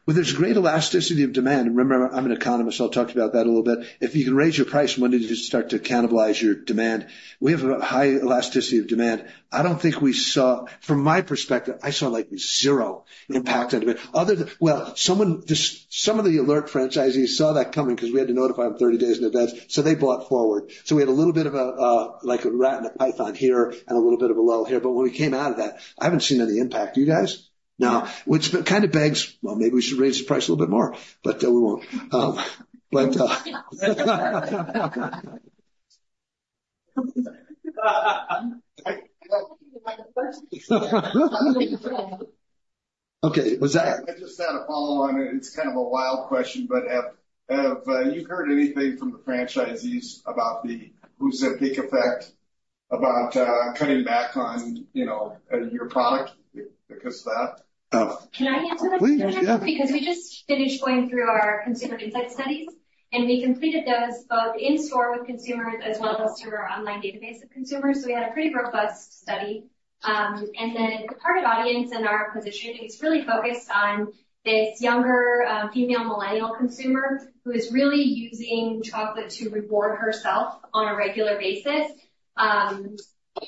Well, there's great elasticity of demand. Remember, I'm an economist, so I'll talk about that a little bit. If you can raise your price, when do you start to cannibalize your demand? We have a high elasticity of demand. I don't think we saw. From my perspective, I saw, like, zero impact on demand. Other than, well, some of the alert franchisees saw that coming because we had to notify them 30 days in advance, so they bought forward. So we had a little bit of a, like, a rat in a python here and a little bit of a lull here, but when we came out of that, I haven't seen any impact. You guys? No. Which kind of begs, well, maybe we should raise the price a little bit more, but, we won't. Okay. Was that- I just had a follow on it. It's kind of a wild question, but have you heard anything from the franchisees about the Ozpic effect, about cutting back on, you know, your product because of that? Oh. Can I answer that? Please, yeah. Because we just finished going through our consumer insight studies, and we completed those both in-store with consumers as well as through our online database of consumers. So we had a pretty robust study. And then the target audience and our positioning is really focused on this younger, female millennial consumer who is really using chocolate to reward herself on a regular basis.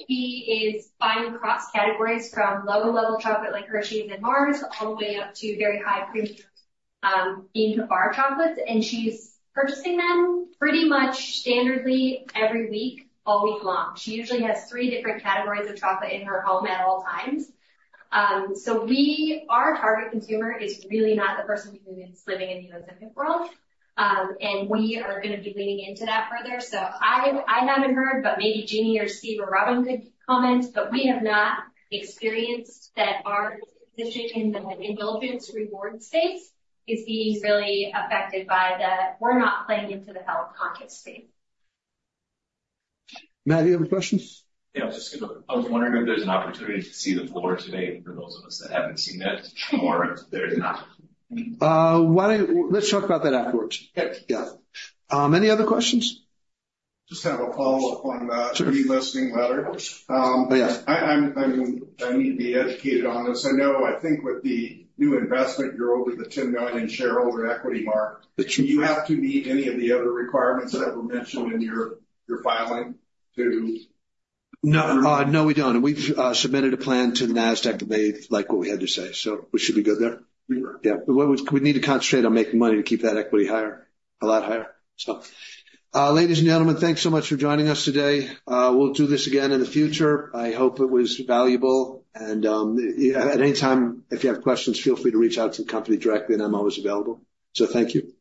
She is buying across categories from lower-level chocolate, like Hershey's and Mars, all the way up to very high premium, bean-to-bar chocolates, and she's purchasing them pretty much standardly every week, all week long. She usually has three different categories of chocolate in her home at all times. So target consumer is really not the person who is living in the Ozempic world. And we are gonna be leaning into that further. I haven't heard, but maybe Jeannie or Steve or Robin could comment, but we have not experienced that our position in the indulgence reward space is being really affected by that. We're not playing into the health-conscious space. Matt, do you have any questions? Yeah, just I was wondering if there's an opportunity to see the floor today for those of us that haven't seen it, or there's not? Let's talk about that afterwards. Okay. Yeah. Any other questions? Just have a follow-up on the delisting letter. Yes. I need to be educated on this. I know, I think with the new investment, you're over the 10 million shareholder equity mark. That's true. Do you have to meet any of the other requirements that were mentioned in your filing to? No. No, we don't, and we've submitted a plan to the Nasdaq, and they like what we had to say, so we should be good there. We are. Yeah. We need to concentrate on making money to keep that equity higher, a lot higher. So, ladies and gentlemen, thanks so much for joining us today. We'll do this again in the future. I hope it was valuable, and at any time, if you have questions, feel free to reach out to the company directly, and I'm always available. So thank you.